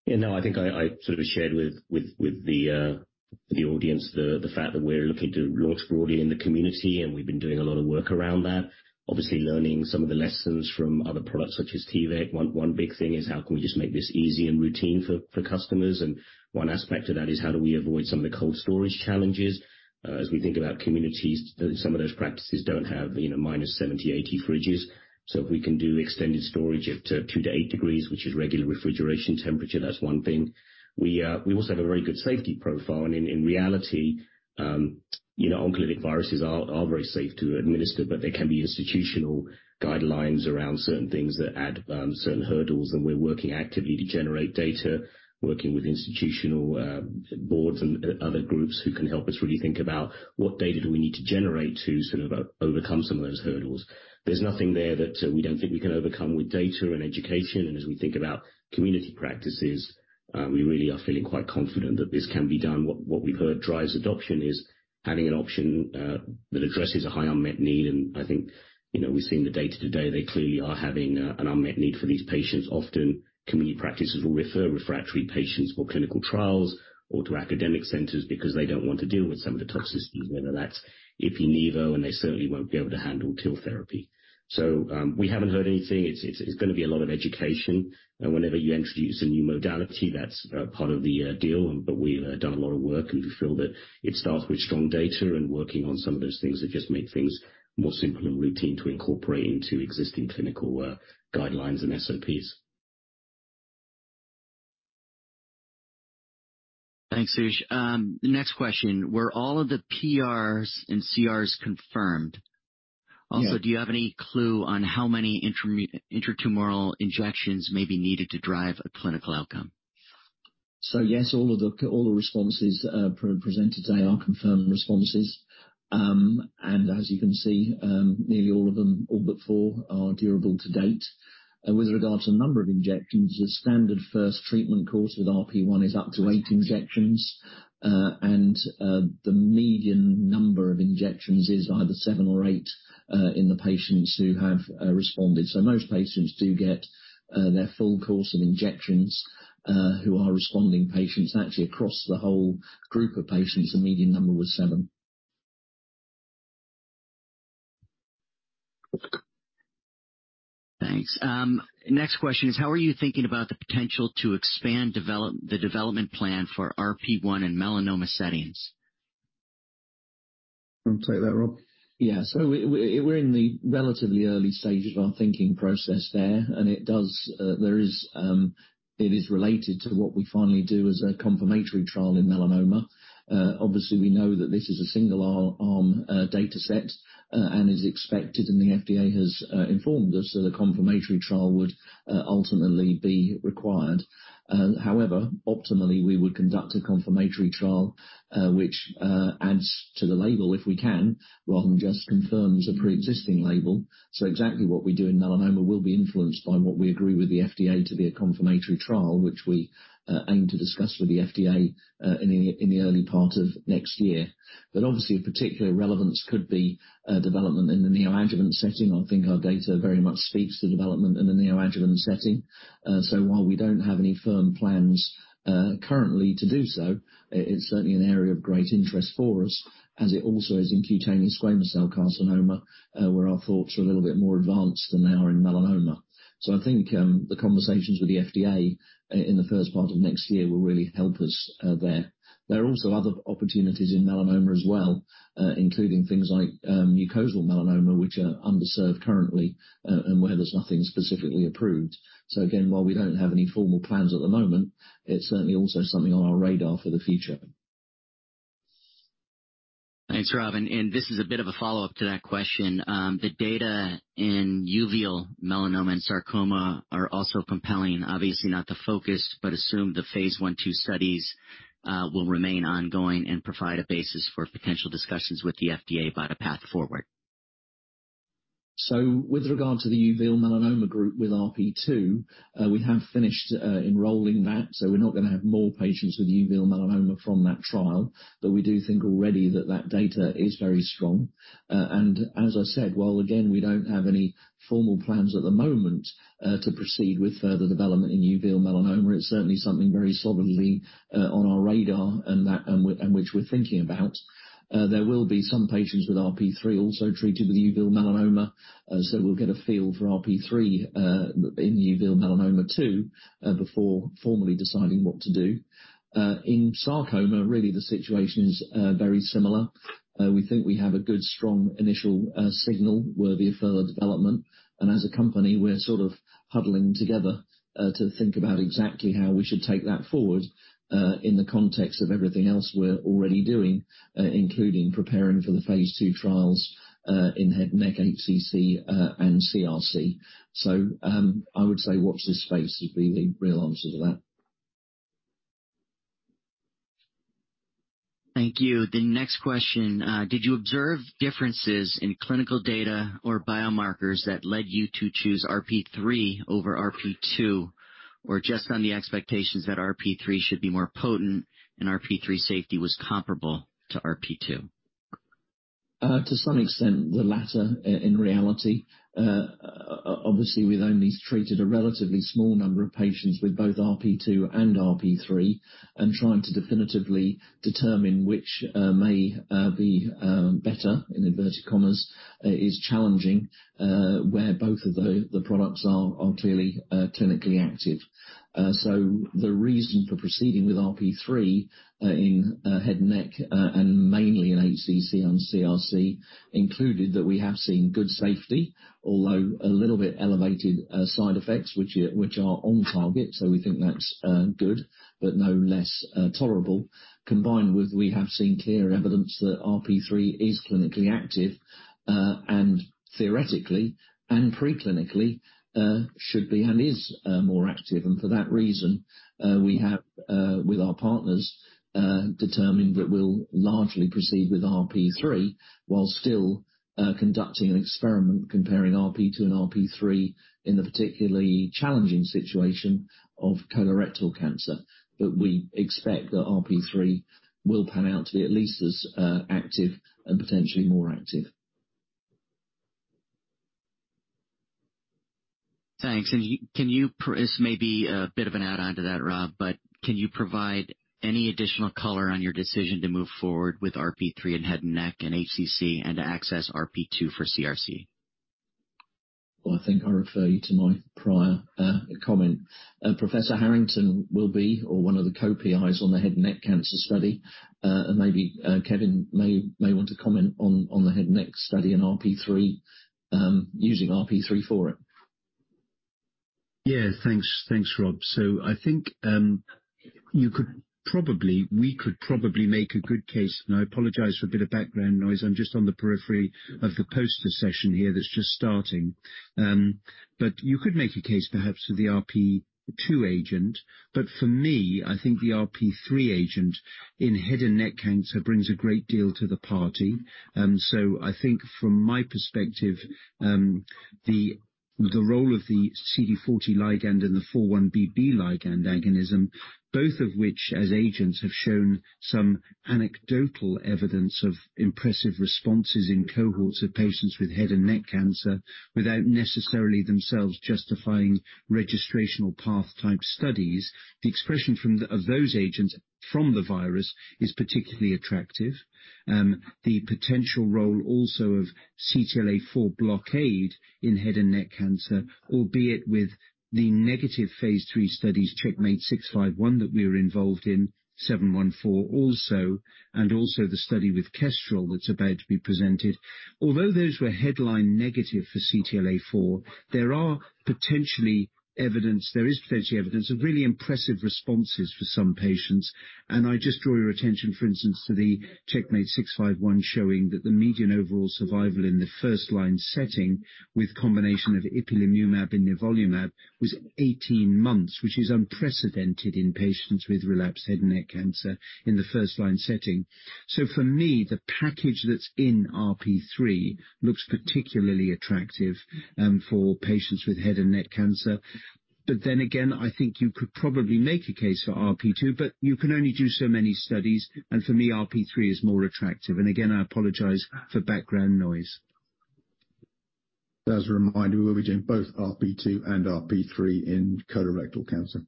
Yeah. No, I think I sort of shared with the audience the fact that we're looking to launch broadly in the community, and we've been doing a lot of work around that, obviously learning some of the lessons from other products such as T-VEC. One big thing is how can we just make this easy and routine for customers? And one aspect of that is how do we avoid some of the cold storage challenges as we think about communities. Some of those practices don't have, you know, minus 70, 80 fridges. So if we can do extended storage up to two to eight degrees, which is regular refrigeration temperature, that's one thing. We also have a very good safety profile, and in reality, you know, oncolytic viruses are very safe to administer, but there can be institutional guidelines around certain things that add certain hurdles, and we're working actively to generate data, working with institutional boards and other groups who can help us really think about what data do we need to generate to sort of overcome some of those hurdles. There's nothing there that we don't think we can overcome with data and education. As we think about community practices, we really are feeling quite confident that this can be done. What we've heard drives adoption is having an option that addresses a high unmet need. I think, you know, we've seen the day-to-day, they clearly are having an unmet need for these patients. Often, community practices will refer refractory patients for clinical trials or to academic centers because they don't want to deal with some of the toxicities, whether that's ipi, nivo, and they certainly won't be able to handle TILs therapy. We haven't heard anything. It's gonna be a lot of education. Whenever you introduce a new modality, that's part of the deal. We've done a lot of work, and we feel that it starts with strong data and working on some of those things that just make things more simple and routine to incorporate into existing clinical guidelines and SOPs. Thanks, Suj. Next question. Were all of the PRs and CRs confirmed? Yeah. Do you have any clue on how many intratumoral injections may be needed to drive a clinical outcome? Yes, all of the, all the responses pre-presented today are confirmed responses. As you can see, nearly all of them, all but four, are durable to date. With regard to the number of injections, the standard first treatment course with RP1 is up to eight injections. The median number of injections is either seven or eight in the patients who have responded. Most patients do get their full course of injections who are responding patients. Across the whole group of patients, the median number was seven. Thanks. Next question is, how are you thinking about the potential to expand the development plan for RP1 in melanoma settings? You want to take that, Rob? Yeah. We're in the relatively early stages of our thinking process there, and it is related to what we finally do as a confirmatory trial in melanoma. Obviously, we know that this is a single arm dataset and is expected, and the FDA has informed us that a confirmatory trial would ultimately be required. However, optimally, we would conduct a confirmatory trial which adds to the label if we can, rather than just confirms a pre-existing label. Exactly what we do in melanoma will be influenced by what we agree with the FDA to be a confirmatory trial, which we aim to discuss with the FDA in the early part of next year. Obviously, a particular relevance could be development in the neoadjuvant setting. I think our data very much speaks to development in the neoadjuvant setting. While we don't have any firm plans currently to do so, it's certainly an area of great interest for us as it also is in cutaneous squamous cell carcinoma, where our thoughts are a little bit more advanced than they are in melanoma. I think the conversations with the FDA in the first part of next year will really help us there. There are also other opportunities in melanoma as well, including things like mucosal melanoma, which are underserved currently, and where there's nothing specifically approved. Again, while we don't have any formal plans at the moment, it's certainly also something on our radar for the future. Thanks, Rob. This is a bit of a follow-up to that question. The data in uveal melanoma and sarcoma are also compelling. Obviously not the focus, but assume the phase I, II studies will remain ongoing and provide a basis for potential discussions with the FDA about a path forward. With regard to the uveal melanoma group with RP2, we have finished enrolling that, so we're not gonna have more patients with uveal melanoma from that trial. We do think already that that data is very strong. As I said, while again, we don't have any formal plans at the moment to proceed with further development in uveal melanoma, it's certainly something very solidly on our radar, and which we're thinking about. There will be some patients with RP3 also treated with uveal melanoma. We'll get a feel for RP3 in uveal melanoma too before formally deciding what to do. In sarcoma, really, the situation is very similar. We think we have a good, strong initial signal worthy of further development. As a company, we're sort of huddling together to think about exactly how we should take that forward in the context of everything else we're already doing, including preparing for the phase 2 trials in head and neck HCC and CRC. I would say watch this space would be the real answer to that. Thank you. The next question. Did you observe differences in clinical data or biomarkers that led you to choose RP3 over RP2, or just on the expectations that RP3 should be more potent and RP3 safety was comparable to RP2? To some extent, the latter in reality. Obviously, we've only treated a relatively small number of patients with both RP2 and RP3, and trying to definitively determine which may be better in inverted commas, is challenging where both of the products are clearly clinically active. The reason for proceeding with RP3 in head and neck, and mainly in HCC and CRC, included that we have seen good safety, although a little bit elevated side effects which are on target. We think that's good, but no less tolerable. Combined with we have seen clear evidence that RP3 is clinically active, and theoretically and preclinically should be and is more active. For that reason, we have, with our partners, determined that we'll largely proceed with RP3 while still conducting an experiment comparing RP2 and RP3 in the particularly challenging situation of colorectal cancer. We expect that RP3 will pan out to be at least as active and potentially more active. Thanks. This may be a bit of an add-on to that, Rob, but can you provide any additional color on your decision to move forward with RP3 in head and neck and HCC and to access RP2 for CRC? Well, I think I refer you to my prior comment. Professor Harrington will be or one of the co-PIs on the head and neck cancer study. Maybe Kevin may want to comment on the head and neck study in RP3, using RP3 for it. Yeah. Thanks, Rob. I think we could probably make a good case. I apologize for a bit of background noise. I'm just on the periphery of the poster session here that's just starting. You could make a case perhaps for the RP2 agent. For me, I think the RP3 agent in head and neck cancer brings a great deal to the party. I think from my perspective, the role of the CD40 ligand and the 4-1BB ligand agonism, both of which, as agents, have shown some anecdotal evidence of impressive responses in cohorts of patients with head and neck cancer without necessarily themselves justifying registrational path type studies. The expression from of those agents from the virus is particularly attractive. The potential role also of CTLA-4 blockade in head and neck cancer, albeit with the negative phase three studies CheckMate 651 that we were involved in, 714 also, and also the study with KESTREL that's about to be presented. Although those were headline negative for CTLA-4, there is potentially evidence of really impressive responses for some patients. I just draw your attention, for instance, to the CheckMate 651, showing that the median overall survival in the first line setting with combination of ipilimumab and nivolumab was 18 months, which is unprecedented in patients with relapsed head and neck cancer in the first line setting. For me, the package that's in RP3 looks particularly attractive, for patients with head and neck cancer. Again, I think you could probably make a case for RP2, but you can only do so many studies, and for me, RP3 is more attractive. Again, I apologize for background noise. As a reminder, we will be doing both RP2 and RP3 in colorectal cancer.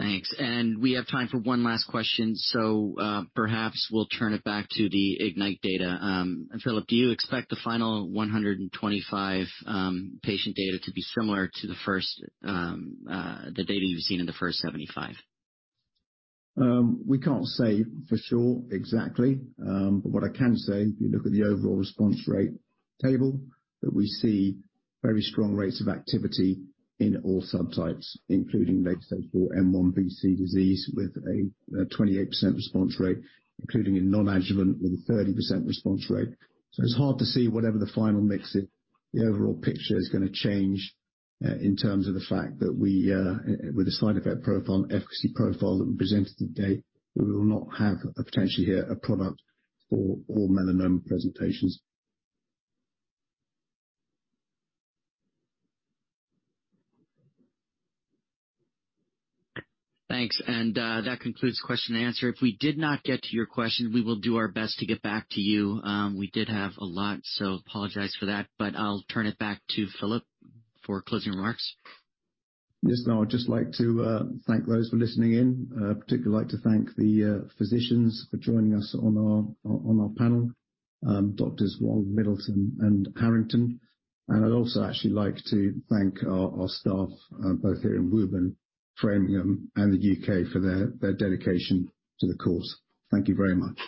Thanks. We have time for one last question, so perhaps we'll turn it back to the IGNYTE data. Philip, do you expect the final 125 patient data to be similar to the first, the data you've seen in the first 75? We can't say for sure exactly. What I can say, if you look at the overall response rate table, that we see very strong rates of activity in all subtypes, including late-stage 4 M1c disease with a 28% response rate, including a non-adjuvant with a 30% response rate. It's hard to see whatever the final mix is. The overall picture is gonna change in terms of the fact that we, with the side effect profile, efficacy profile that we presented today, we will not have a potentially here a product for all melanoma presentations. Thanks. That concludes question and answer. If we did not get to your question, we will do our best to get back to you. We did have a lot, so apologize for that. I'll turn it back to Philip for closing remarks. Yes. Now, I'd just like to thank those for listening in. Particularly like to thank the physicians for joining us on our panel, Doctors Wong, Middleton, and Harrington. I'd also actually like to thank our staff, both here in Woburn, Framingham, and the U.K. for their dedication to the cause. Thank you very much.